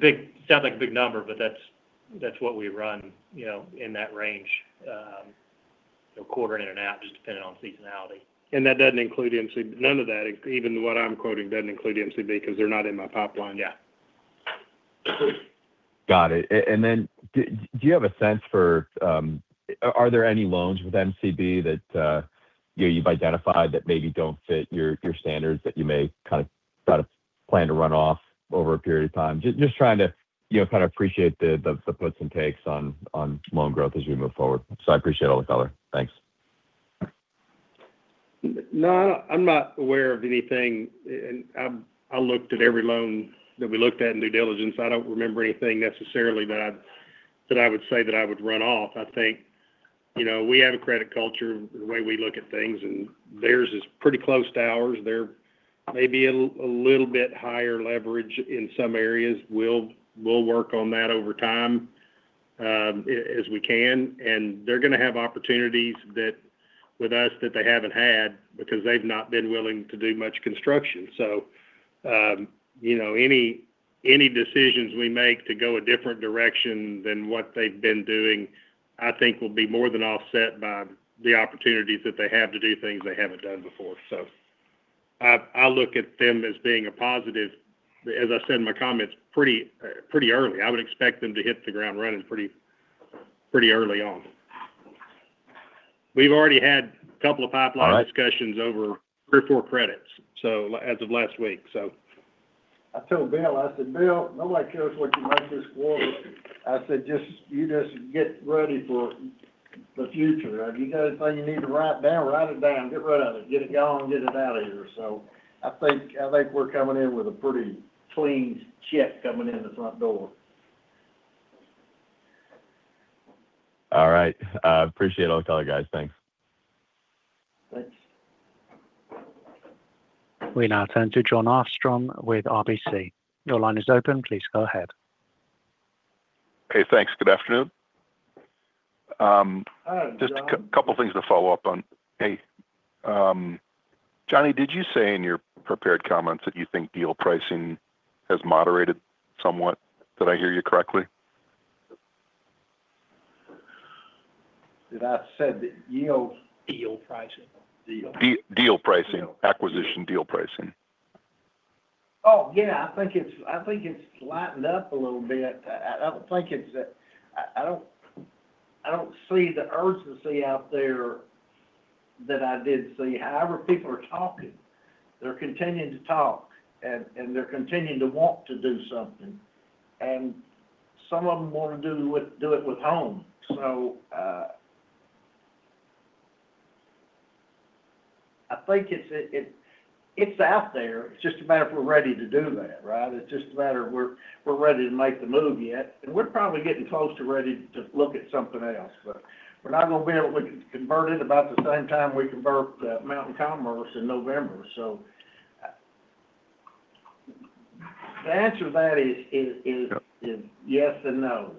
Speaker 6: It sounds like a big number, but that's what we run, in that range, quarter in and out, just depending on seasonality.
Speaker 7: None of that, even what I'm quoting, doesn't include MCB because they're not in my pipeline yet.
Speaker 12: Got it. Then do you have a sense for, are there any loans with MCB that you've identified that maybe don't fit your standards that you may kind of plan to run off over a period of time? Just trying to kind of appreciate the puts and takes on loan growth as we move forward? I appreciate all the color. Thanks.
Speaker 7: No, I'm not aware of anything. I looked at every loan that we looked at in due diligence. I don't remember anything necessarily that I would say that I would run off. I think, we have a credit culture in the way we look at things, and theirs is pretty close to ours. They're maybe a little bit higher leverage in some areas. We'll work on that over time as we can. They're going to have opportunities with us that they haven't had because they've not been willing to do much construction. Any decisions we make to go a different direction than what they've been doing, I think will be more than offset by the opportunities that they have to do things they haven't done before. I look at them as being a positive, as I said in my comments, pretty early. I would expect them to hit the ground running pretty early on. We've already had a couple of pipeline.
Speaker 12: All right.
Speaker 7: discussions over three, four credits as of last week.
Speaker 3: I told Bill, I said, "Bill, nobody cares what you make this quarter." I said, "You just get ready for the future. If you got anything you need to write down, write it down. Get rid of it. Get it gone, get it out of here." I think we're coming in with a pretty clean ship coming in the front door.
Speaker 12: All right. I appreciate all the color, guys. Thanks.
Speaker 7: Thanks.
Speaker 1: We now turn to Jon Arfstrom with RBC. Your line is open. Please go ahead.
Speaker 13: Hey, thanks. Good afternoon.
Speaker 3: Hi, Jon.
Speaker 13: Just a couple things to follow up on. Hey. Johnny, did you say in your prepared comments that you think deal pricing has moderated somewhat? Did I hear you correctly?
Speaker 3: Did I say that yields-
Speaker 7: Deal pricing.
Speaker 13: Deal pricing. Acquisition deal pricing.
Speaker 3: Oh, yeah. I think it's lightened up a little bit. I don't see the urgency out there that I did see. However, people are talking. They're continuing to talk, and they're continuing to want to do something. Some of them want to do it with Home. I think it's out there. It's just a matter of if we're ready to do that, right? It's just a matter of if we're ready to make the move yet. We're probably getting close to ready to look at something else, but we're not going to be able to convert it about the same time we convert Mountain Commerce in November. The answer to that is yes and no.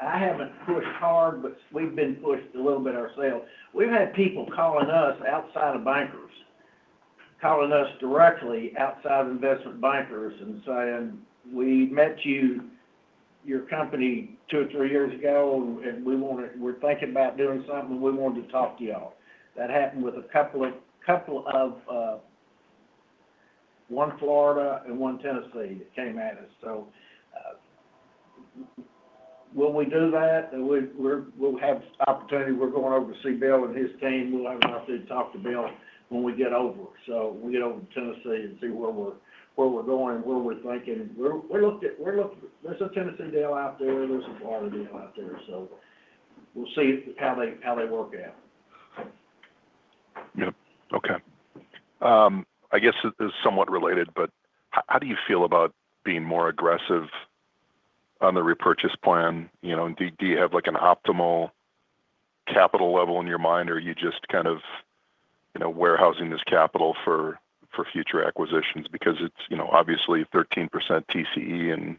Speaker 3: I haven't pushed hard, but we've been pushed a little bit ourselves. We've had people calling us outside of bankers, calling us directly outside of investment bankers and saying, "We met your company two or three years ago, and we're thinking about doing something. We wanted to talk to y'all." That happened with one Florida and one Tennessee that came at us. When we do that, we'll have opportunity. We're going over to see Bill and his team. We'll have an opportunity to talk to Bill when we get over. We'll get over to Tennessee and see where we're going and where we're thinking. There's a Tennessee deal out there. There's a Florida deal out there. We'll see how they work out.
Speaker 13: Yep. Okay. I guess this is somewhat related, but how do you feel about being more aggressive on the repurchase plan? Do you have an optimal capital level in your mind, or are you just kind of warehousing this capital for future acquisitions? Because it's obviously 13% TCE and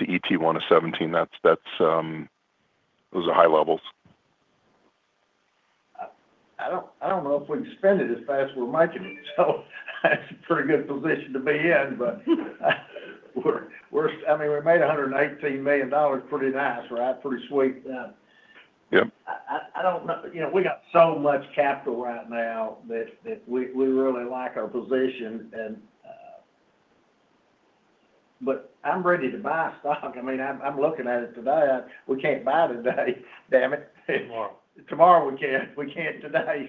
Speaker 13: CET1 is 17%. Those are high levels.
Speaker 3: I don't know if we can spend it as fast as we're making it. That's a pretty good position to be in, but we made $118 million. Pretty nice, right? Pretty sweet.
Speaker 13: Yep.
Speaker 3: I don't know. We got so much capital right now that we really like our position. I'm ready to buy stock. I'm looking at it today. We can't buy today. Damn it.
Speaker 7: Tomorrow.
Speaker 3: Tomorrow we can. We can't today.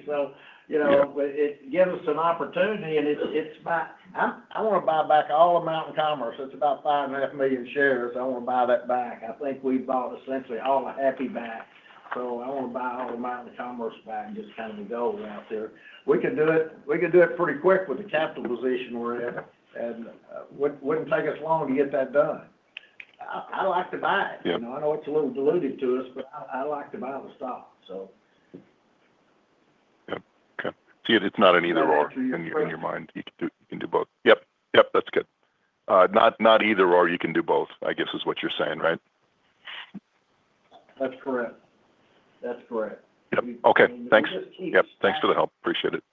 Speaker 13: Yep
Speaker 3: It gives us an opportunity. I want to buy back all of Mountain Commerce. That's about 5.5 million shares. I want to buy that back. I think we've bought essentially all of Happy back. I want to buy all of Mountain Commerce back and just kind of go out there. We could do it pretty quick with the capital position we're in, and it wouldn't take us long to get that done. I like to buy.
Speaker 13: Yep.
Speaker 3: I know it's a little diluted to us, but I like to buy the stock.
Speaker 13: Yep. Okay. Yeah, it's not an either/or in your mind. You can do both. Yep. That's good. Not either/or. You can do both, I guess, is what you're saying, right?
Speaker 3: That's correct.
Speaker 13: Yep. Okay, thanks.
Speaker 3: We just keep stacking.
Speaker 13: Yep, thanks for the help. Appreciate it.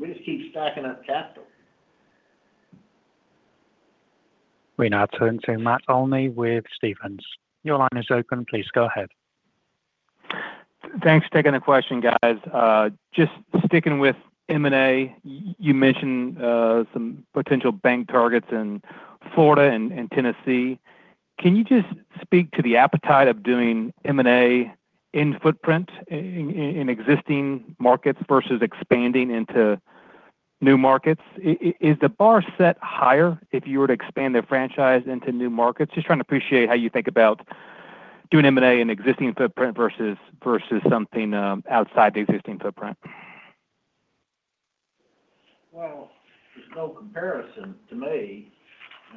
Speaker 3: We just keep stacking up capital.
Speaker 1: We now turn to Matt Olney with Stephens. Your line is open. Please go ahead.
Speaker 14: Thanks for taking the question, guys. Just sticking with M&A, you mentioned some potential bank targets in Florida and Tennessee. Can you just speak to the appetite of doing M&A in footprint in existing markets versus expanding into new markets? Is the bar set higher if you were to expand the franchise into new markets? Just trying to appreciate how you think about doing M&A in existing footprint versus something outside the existing footprint?
Speaker 3: Well, there's no comparison to me.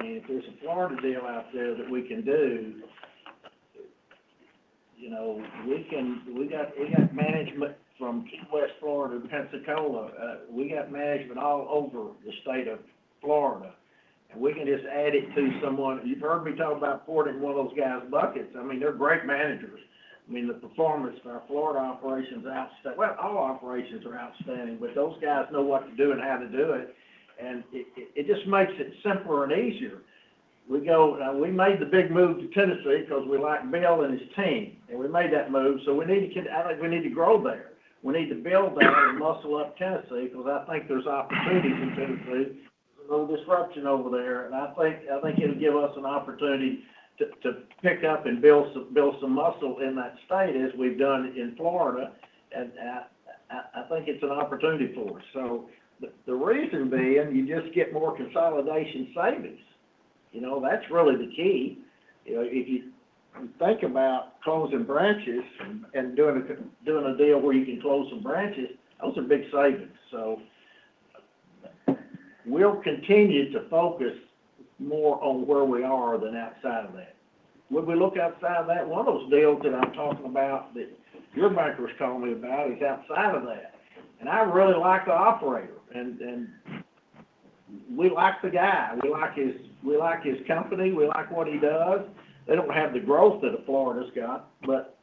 Speaker 3: If there's a Florida deal out there that we can do, we got management from Key West, Florida, to Pensacola. We got management all over the state of Florida, and we can just add it to someone. You've heard me talk about pouring in one of those guys' buckets. They're great managers. The performance of our Florida operations, well, all operations are outstanding, but those guys know what to do and how to do it, and it just makes it simpler and easier. We made the big move to Tennessee because we like Bill and his team, and we made that move. I think we need to grow there. We need to build there and muscle up Tennessee, because I think there's opportunity in Tennessee. There's a little disruption over there, and I think it'll give us an opportunity to pick up and build some muscle in that state as we've done in Florida, and I think it's an opportunity for us. The reason being, you just get more consolidation savings. That's really the key. If you think about closing branches and doing a deal where you can close some branches, those are big savings. We'll continue to focus more on where we are than outside of that. Would we look outside of that? One of those deals that I'm talking about, that your banker was telling me about, is outside of that, and I really like the operator, and we like the guy. We like his company. We like what he does. They don't have the growth that Florida's got, but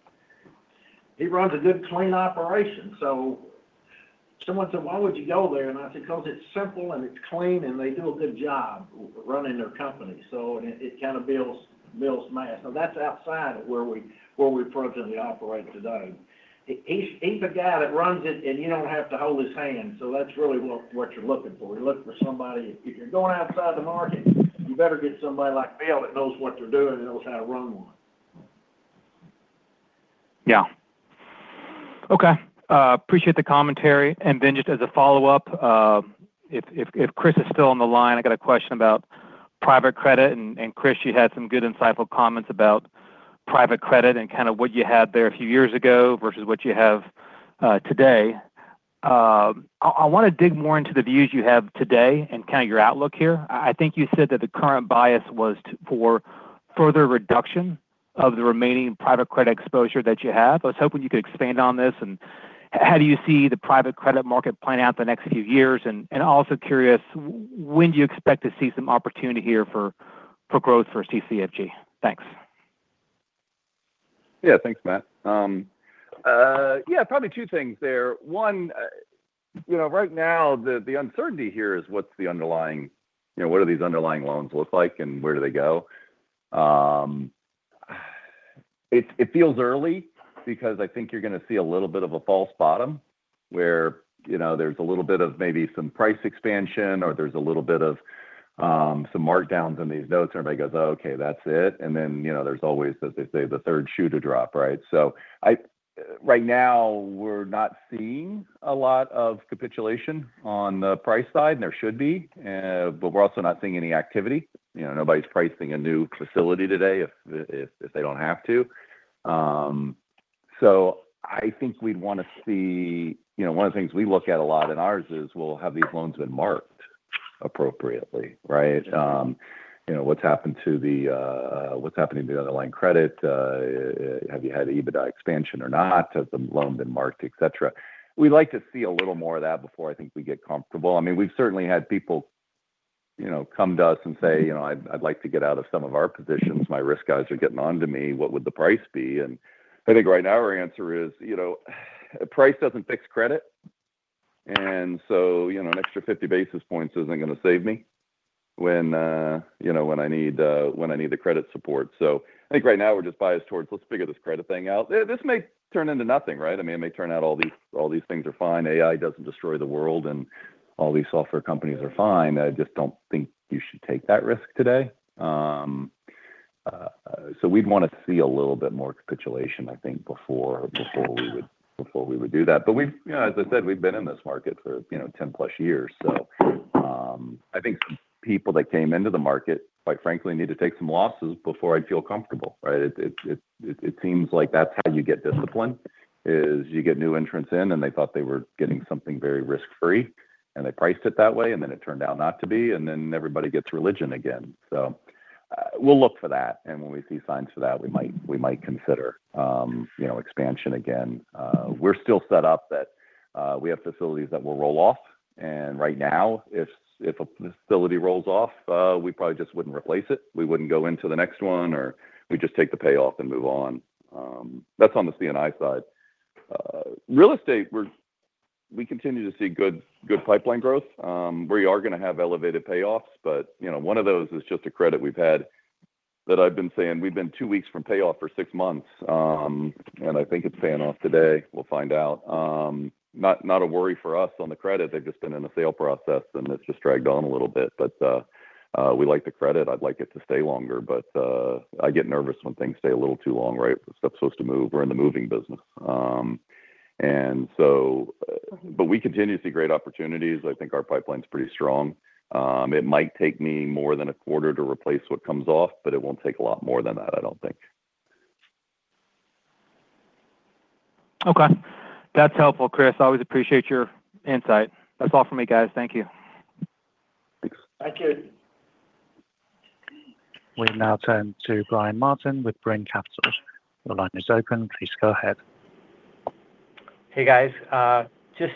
Speaker 3: he runs a good, clean operation. Someone said, "Why would you go there?" I said, "Because it's simple, and it's clean, and they do a good job running their company." It kind of builds mass. That's outside of where we presently operate today. He's a guy that runs it, and you don't have to hold his hand, so that's really what you're looking for. You're looking for somebody, if you're going outside the market, you better get somebody like Bill that knows what they're doing and knows how to run one.
Speaker 14: Yeah. Okay. Appreciate the commentary. Then just as a follow-up, if Chris is still on the line, I got a question about private credit. Chris, you had some good insightful comments about private credit and kind of what you had there a few years ago versus what you have today. I want to dig more into the views you have today and kind of your outlook here. I think you said that the current bias was for further reduction of the remaining private credit exposure that you have. I was hoping you could expand on this, and how do you see the private credit market playing out the next few years? Also curious, when do you expect to see some opportunity here for growth for CCFG? Thanks.
Speaker 5: Yeah, thanks, Matt. Yeah, probably two things there. One, right now, the uncertainty here is what do these underlying loans look like, and where do they go? It feels early because I think you're going to see a little bit of a false bottom where there's a little bit of maybe some price expansion or there's a little bit of some markdowns in these notes. Everybody goes, "Oh, okay, that's it." Then, there's always, as they say, the third shoe to drop, right? Right now, we're not seeing a lot of capitulation on the price side, and there should be, but we're also not seeing any activity. Nobody's pricing a new facility today if they don't have to. I think we'd want to see one of the things we look at a lot in ours is, well, have these loans been marked appropriately, right?
Speaker 14: Yeah.
Speaker 5: What's happening to the underlying credit? Have you had EBITDA expansion or not? Has the loan been marked, et cetera? We'd like to see a little more of that before I think we'd get comfortable. We've certainly had people come to us and say, "I'd like to get out of some of our positions. My risk guys are getting onto me. What would the price be?" I think right now our answer is price doesn't fix credit. An extra 50 basis points isn't going to save me when I need the credit support. I think right now we're just biased towards let's figure this credit thing out. This may turn into nothing, right? It may turn out all these things are fine. AI doesn't destroy the world, and all these software companies are fine. I just don't think you should take that risk today. We'd want to see a little bit more capitulation, I think, before we would do that. As I said, we've been in this market for 10+ years, so I think people that came into the market, quite frankly, need to take some losses before I'd feel comfortable. Right? It seems like that's how you get discipline, is you get new entrants in, and they thought they were getting something very risk-free, and they priced it that way, and then it turned out not to be, and then everybody gets religion again. We'll look for that, and when we see signs for that, we might consider expansion again. We're still set up that we have facilities that will roll off, and right now if a facility rolls off, we probably just wouldn't replace it. We wouldn't go into the next one, or we'd just take the payoff and move on. That's on the C&I side. Real estate, we continue to see good pipeline growth, where you are going to have elevated payoffs. One of those is just a credit we've had that I've been saying we've been two weeks from payoff for six months, and I think it's paying off today. We'll find out. Not a worry for us on the credit. They've just been in a sale process, and it's just dragged on a little bit. We like the credit. I'd like it to stay longer, but I get nervous when things stay a little too long, right? Stuff's supposed to move. We're in the moving business. We continue to see great opportunities. I think our pipeline's pretty strong. It might take me more than a quarter to replace what comes off, but it won't take a lot more than that, I don't think.
Speaker 14: Okay. That's helpful, Chris. Always appreciate your insight. That's all for me, guys. Thank you.
Speaker 5: Thanks.
Speaker 3: Thank you.
Speaker 1: We now turn to Brian Martin with Brean Capital. Your line is open. Please go ahead.
Speaker 15: Hey, guys. Just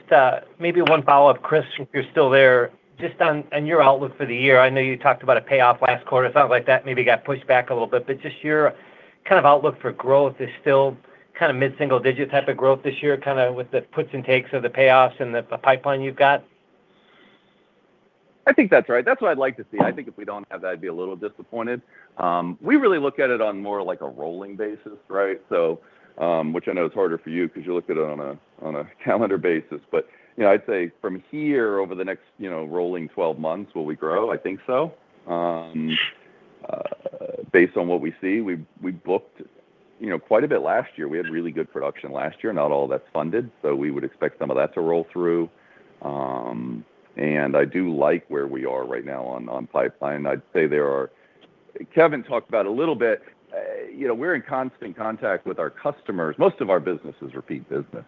Speaker 15: maybe one follow-up. Chris, if you're still there, just on your outlook for the year. I know you talked about a payoff last quarter. It sounds like that maybe got pushed back a little bit, but just your kind of outlook for growth is still mid-single digit type of growth this year with the puts and takes of the payoffs and the pipeline you've got?
Speaker 5: I think that's right. That's what I'd like to see. I think if we don't have that, I'd be a little disappointed. We really look at it on more like a rolling basis, right? Which I know is harder for you because you looked at it on a calendar basis. But I'd say from here over the next rolling 12 months, will we grow? I think so. Based on what we see, we booked quite a bit last year. We had really good production last year. Not all that's funded, so we would expect some of that to roll through. I do like where we are right now on pipeline. Kevin talked about a little bit, we're in constant contact with our customers. Most of our business is repeat business,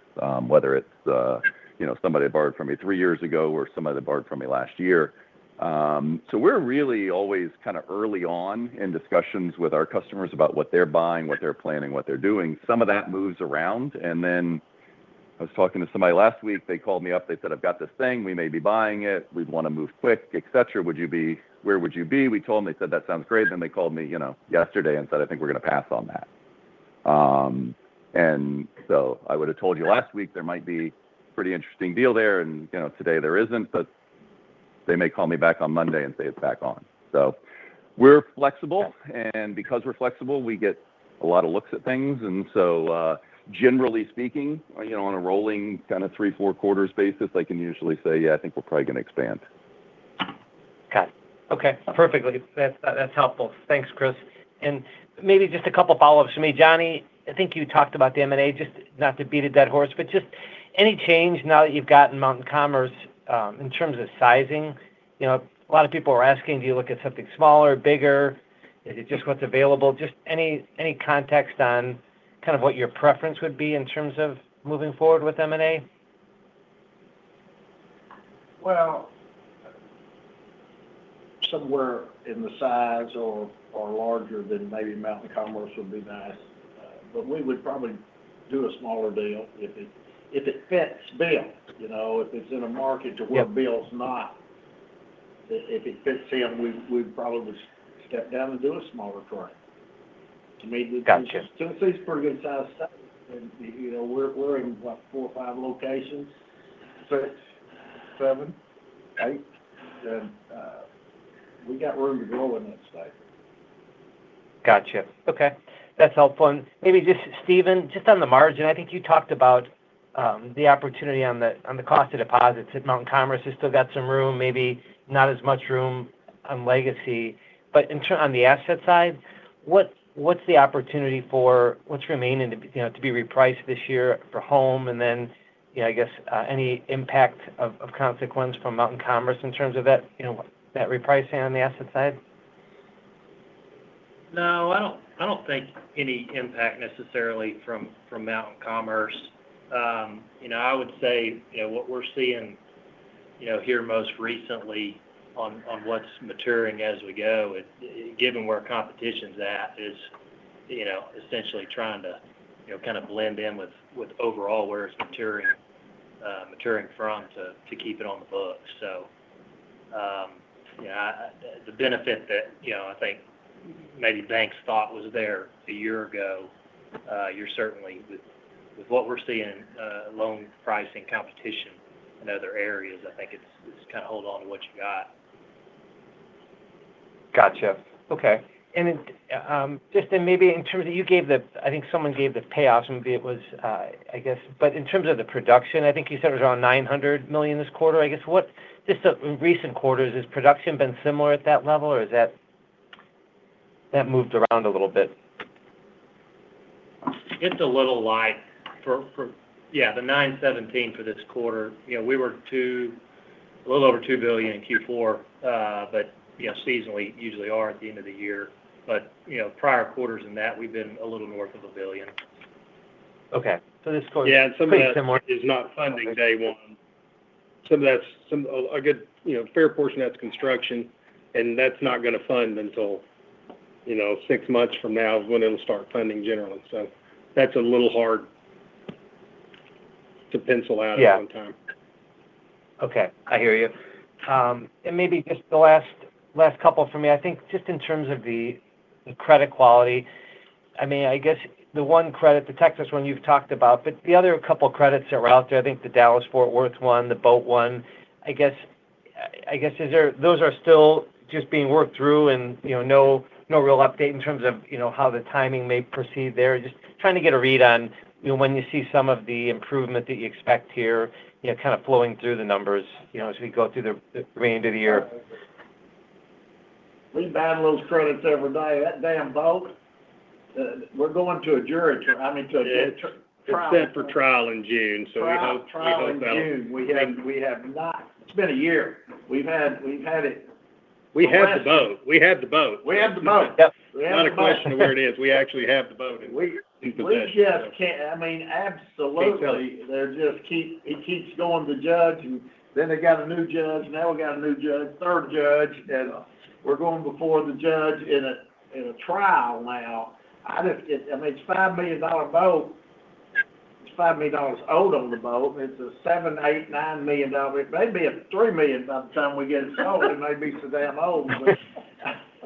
Speaker 5: whether it's somebody that borrowed from you three years ago or somebody that borrowed from you last year. We're really always early on in discussions with our customers about what they're buying, what they're planning, what they're doing. Some of that moves around, and then I was talking to somebody last week. They called me up, they said, "I've got this thing. We may be buying it. We'd want to move quick," et cetera, "Where would you be?" We told them, they said, "That sounds great." They called me yesterday and said, "I think we're going to pass on that." I would've told you last week there might be pretty interesting deal there, and today there isn't, but they may call me back on Monday and say it's back on. We're flexible, and because we're flexible, we get a lot of looks at things. Generally speaking, on a rolling kind of three, four quarters basis, I can usually say, yeah, I think we're probably going to expand.
Speaker 15: Got it. Okay. Perfectly. That's helpful. Thanks, Chris. Maybe just a couple follow-ups from me. Johnny, I think you talked about the M&A, just not to beat a dead horse, but just any change now that you've gotten Mountain Commerce, in terms of sizing? A lot of people are asking, do you look at something smaller, bigger? Is it just what's available? Just any context on what your preference would be in terms of moving forward with M&A?
Speaker 3: Well, somewhere in the size or larger than maybe Mountain Commerce would be nice. We would probably do a smaller deal if it fits Bill. If it is in a market where Bill is not. If it fits him, we'd probably step down and do a smaller current. To me
Speaker 15: Gotcha
Speaker 3: Tennessee's a pretty good size state. We're in what, four or five locations? Six, seven, eight? We got room to grow in that state.
Speaker 15: Gotcha. Okay. That's helpful. Maybe just Stephen, just on the margin, I think you talked about the opportunity on the cost of deposits, that Mountain Commerce has still got some room, maybe not as much room on legacy. But on the asset side, what's remaining to be repriced this year for Home? And then, I guess, any impact of consequence from Mountain Commerce in terms of that repricing on the asset side?
Speaker 6: No, I don't think any impact necessarily from Mountain Commerce. I would say what we're seeing here most recently on what's maturing as we go, given where competition's at is essentially trying to kind of blend in with overall where it's maturing from to keep it on the books. The benefit that I think maybe banks thought was there a year ago, you're certainly with what we're seeing loan pricing competition in other areas, I think it's kind of hold on to what you got.
Speaker 15: Gotcha. Okay. Just in maybe in terms of, I think someone gave the payoffs, maybe it was, I guess. In terms of the production, I think you said it was around $900 million this quarter. I guess in recent quarters, has production been similar at that level, or has that moved around a little bit?
Speaker 6: It's a little light. Yeah, the $917 for this quarter. We were a little over $2 billion in Q4. Seasonally usually are at the end of the year. Prior quarters than that, we've been a little north of $1 billion.
Speaker 15: Okay. This goes.
Speaker 7: Yeah, some of that is not funding day one. A fair portion of that's construction, and that's not going to fund until six months from now, is when it'll start funding generally. That's a little hard to pencil out sometimes.
Speaker 15: Yeah. Okay. I hear you. Maybe just the last couple from me. I think just in terms of the credit quality, I guess the one credit, the Texas one, you've talked about, but the other couple credits that were out there, I think the Dallas-Fort Worth one, the boat one, I guess those are still just being worked through and no real update in terms of how the timing may proceed there. Just trying to get a read on when you see some of the improvement that you expect here flowing through the numbers, as we go through the remaining of the year.
Speaker 3: We battle those credits every day. That damn boat, we're going to a jury trial. I mean to a trial.
Speaker 7: It's set for trial in June, so we hope that'll.
Speaker 3: Trial in June. It's been a year. We've had it.
Speaker 7: We have the boat.
Speaker 3: We have the boat.
Speaker 7: It's not a question of where it is. We actually have the boat, and we think the best.
Speaker 3: We just can't. I mean, absolutely.
Speaker 7: Can't tell you.
Speaker 3: It keeps going to judge, and then they got a new judge. Now we got a new judge, third judge, and we're going before the judge in a trial now. I mean, it's a $5 million boat. It's $5 million owed on the boat. It's a $7, $8, $9 million. It may be a $3 million by the time we get it sold. It may be so damn old.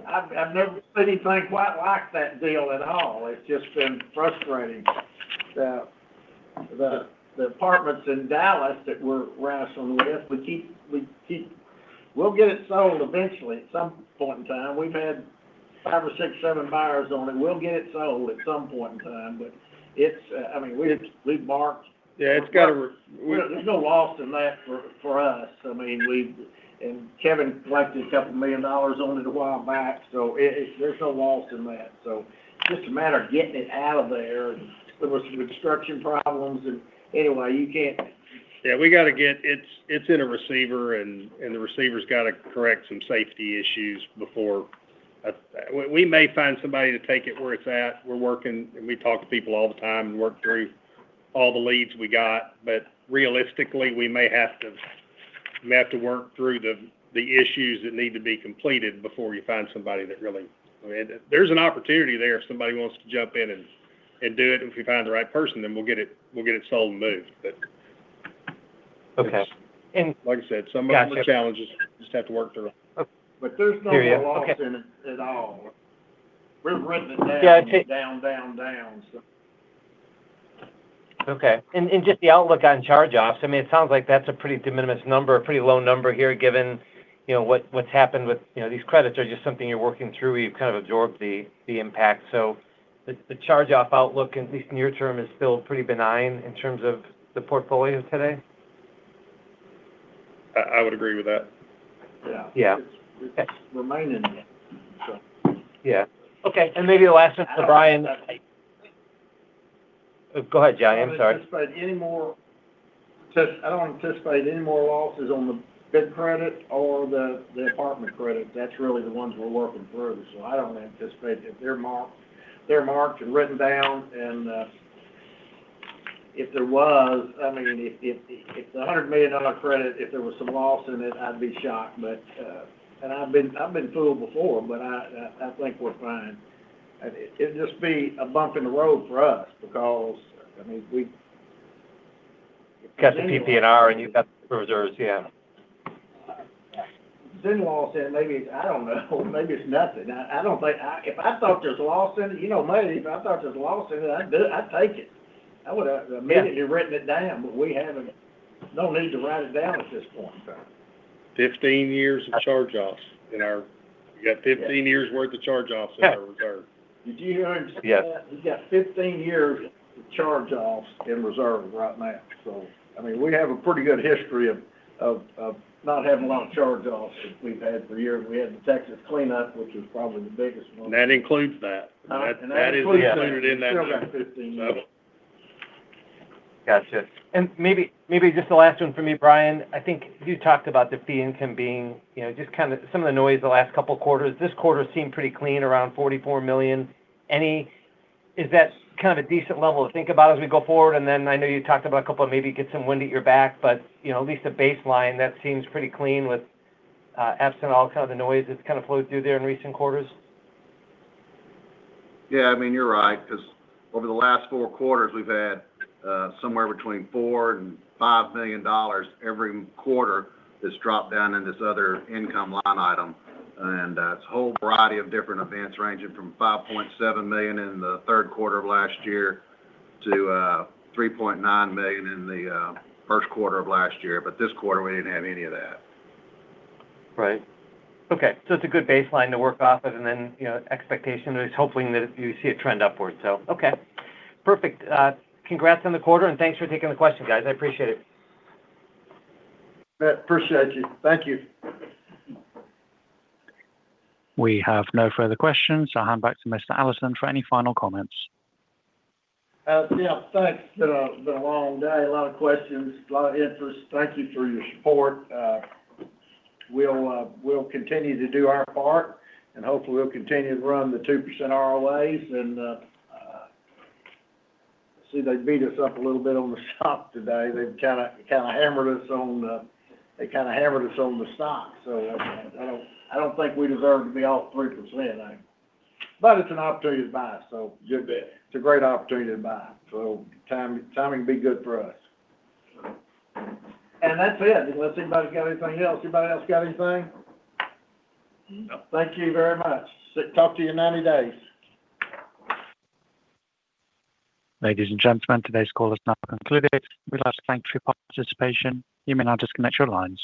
Speaker 3: I've never seen anything quite like that deal at all. It's just been frustrating. The apartments in Dallas that were on the list, we'll get it sold eventually, at some point in time. We've had five or six, seven buyers on it. We'll get it sold at some point in time, but we've marked-
Speaker 7: Yeah.
Speaker 3: There's no loss in that for us. Kevin collected couple million on it a while back, so there's no loss in that. Just a matter of getting it out of there. There was some construction problems, and anyway, you can't.
Speaker 7: Yeah. It's in a receiver, and the receiver's got to correct some safety issues before we may find somebody to take it where it's at. We're working, and we talk to people all the time and work through all the leads we got. Realistically, we may have to work through the issues that need to be completed before you find somebody that really, I mean, there's an opportunity there if somebody wants to jump in and do it. If we find the right person, we'll get it sold and moved.
Speaker 15: Okay.
Speaker 7: Like I said, some of those are challenges we just have to work through.
Speaker 15: Okay.
Speaker 3: There's no loss in it at all. We've written it down, so.
Speaker 15: Okay. Just the outlook on charge-offs. I mean, it sounds like that's a pretty de minimis number, a pretty low number here, given what's happened with these credits are just something you're working through. You've kind of absorbed the impact. So the charge-off outlook, at least near term, is still pretty benign in terms of the portfolio today.
Speaker 7: I would agree with that.
Speaker 3: Yeah.
Speaker 15: Yeah. Okay.
Speaker 3: It's remaining.
Speaker 15: Yeah. Okay, maybe the last one for Brian. Go ahead, John. I'm sorry.
Speaker 3: I don't anticipate any more losses on the big credit or the apartment credit. That's really the ones we're working through. I don't anticipate. They're marked and written down, and if there was, I mean, if it's a $100 million credit, if there was some loss in it, I'd be shocked. I've been fooled before, but I think we're fine. It'd just be a bump in the road for us because, I mean, we
Speaker 15: Got the PPNR, and you've got the reserves, yeah.
Speaker 3: Loss, I don't know. Maybe it's nothing. If I thought there's a loss in it, you know me, I'd take it. I would have immediately written it down, but we don't need to write it down at this point.
Speaker 7: 15 years of charge-offs. We got 15 years' worth of charge-offs in our reserve.
Speaker 3: Did you hear him just say that?
Speaker 15: Yes.
Speaker 3: We got 15 years of charge-offs in reserve right now. I mean, we have a pretty good history of not having a lot of charge-offs as we've had for years. We had the Texas cleanup, which was probably the biggest one.
Speaker 7: that includes that.
Speaker 3: That includes that.
Speaker 7: That is included in that number.
Speaker 3: We still got 15 years.
Speaker 15: Gotcha. Maybe just the last one from me, Brian. I think you talked about the fee income being just kind of some of the noise the last couple of quarters. This quarter seemed pretty clean, around $44 million. Is that kind of a decent level to think about as we go forward? I know you talked about a couple of maybe get some wind at your back, but at least a baseline that seems pretty clean with absent all kind of the noise that's kind of flowed through there in recent quarters.
Speaker 4: Yeah, I mean, you're right, because over the last four quarters, we've had somewhere between $4 million-$5 million every quarter has dropped down in this other income line item, and it's a whole variety of different events, ranging from $5.7 million in the third quarter of last year to $3.9 million in the first quarter of last year. But this quarter, we didn't have any of that.
Speaker 15: Right. Okay, it's a good baseline to work off of, and then expectation is hopefully that you see a trend upward. Okay. Perfect. Congrats on the quarter, and thanks for taking the questions, guys. I appreciate it.
Speaker 3: Appreciate you. Thank you.
Speaker 1: We have no further questions, so I'll hand back to Mr. Allison for any final comments.
Speaker 3: Yeah, thanks. It's been a long day. A lot of questions, a lot of interest. Thank you for your support. We'll continue to do our part, and hopefully we'll continue to run the 2% ROAs, and see they beat us up a little bit on the stock today. They kind of hammered us on the stock, so I don't think we deserve to be off 3%, do you? It's an opportunity to buy, so good buy. It's a great opportunity to buy, so timing will be good for us. That's it, unless anybody's got anything else. Anybody else got anything?
Speaker 7: No.
Speaker 3: Thank you very much. Talk to you in 90 days.
Speaker 1: Ladies and gentlemen, today's call is now concluded. We'd like to thank you for your participation. You may now disconnect your lines.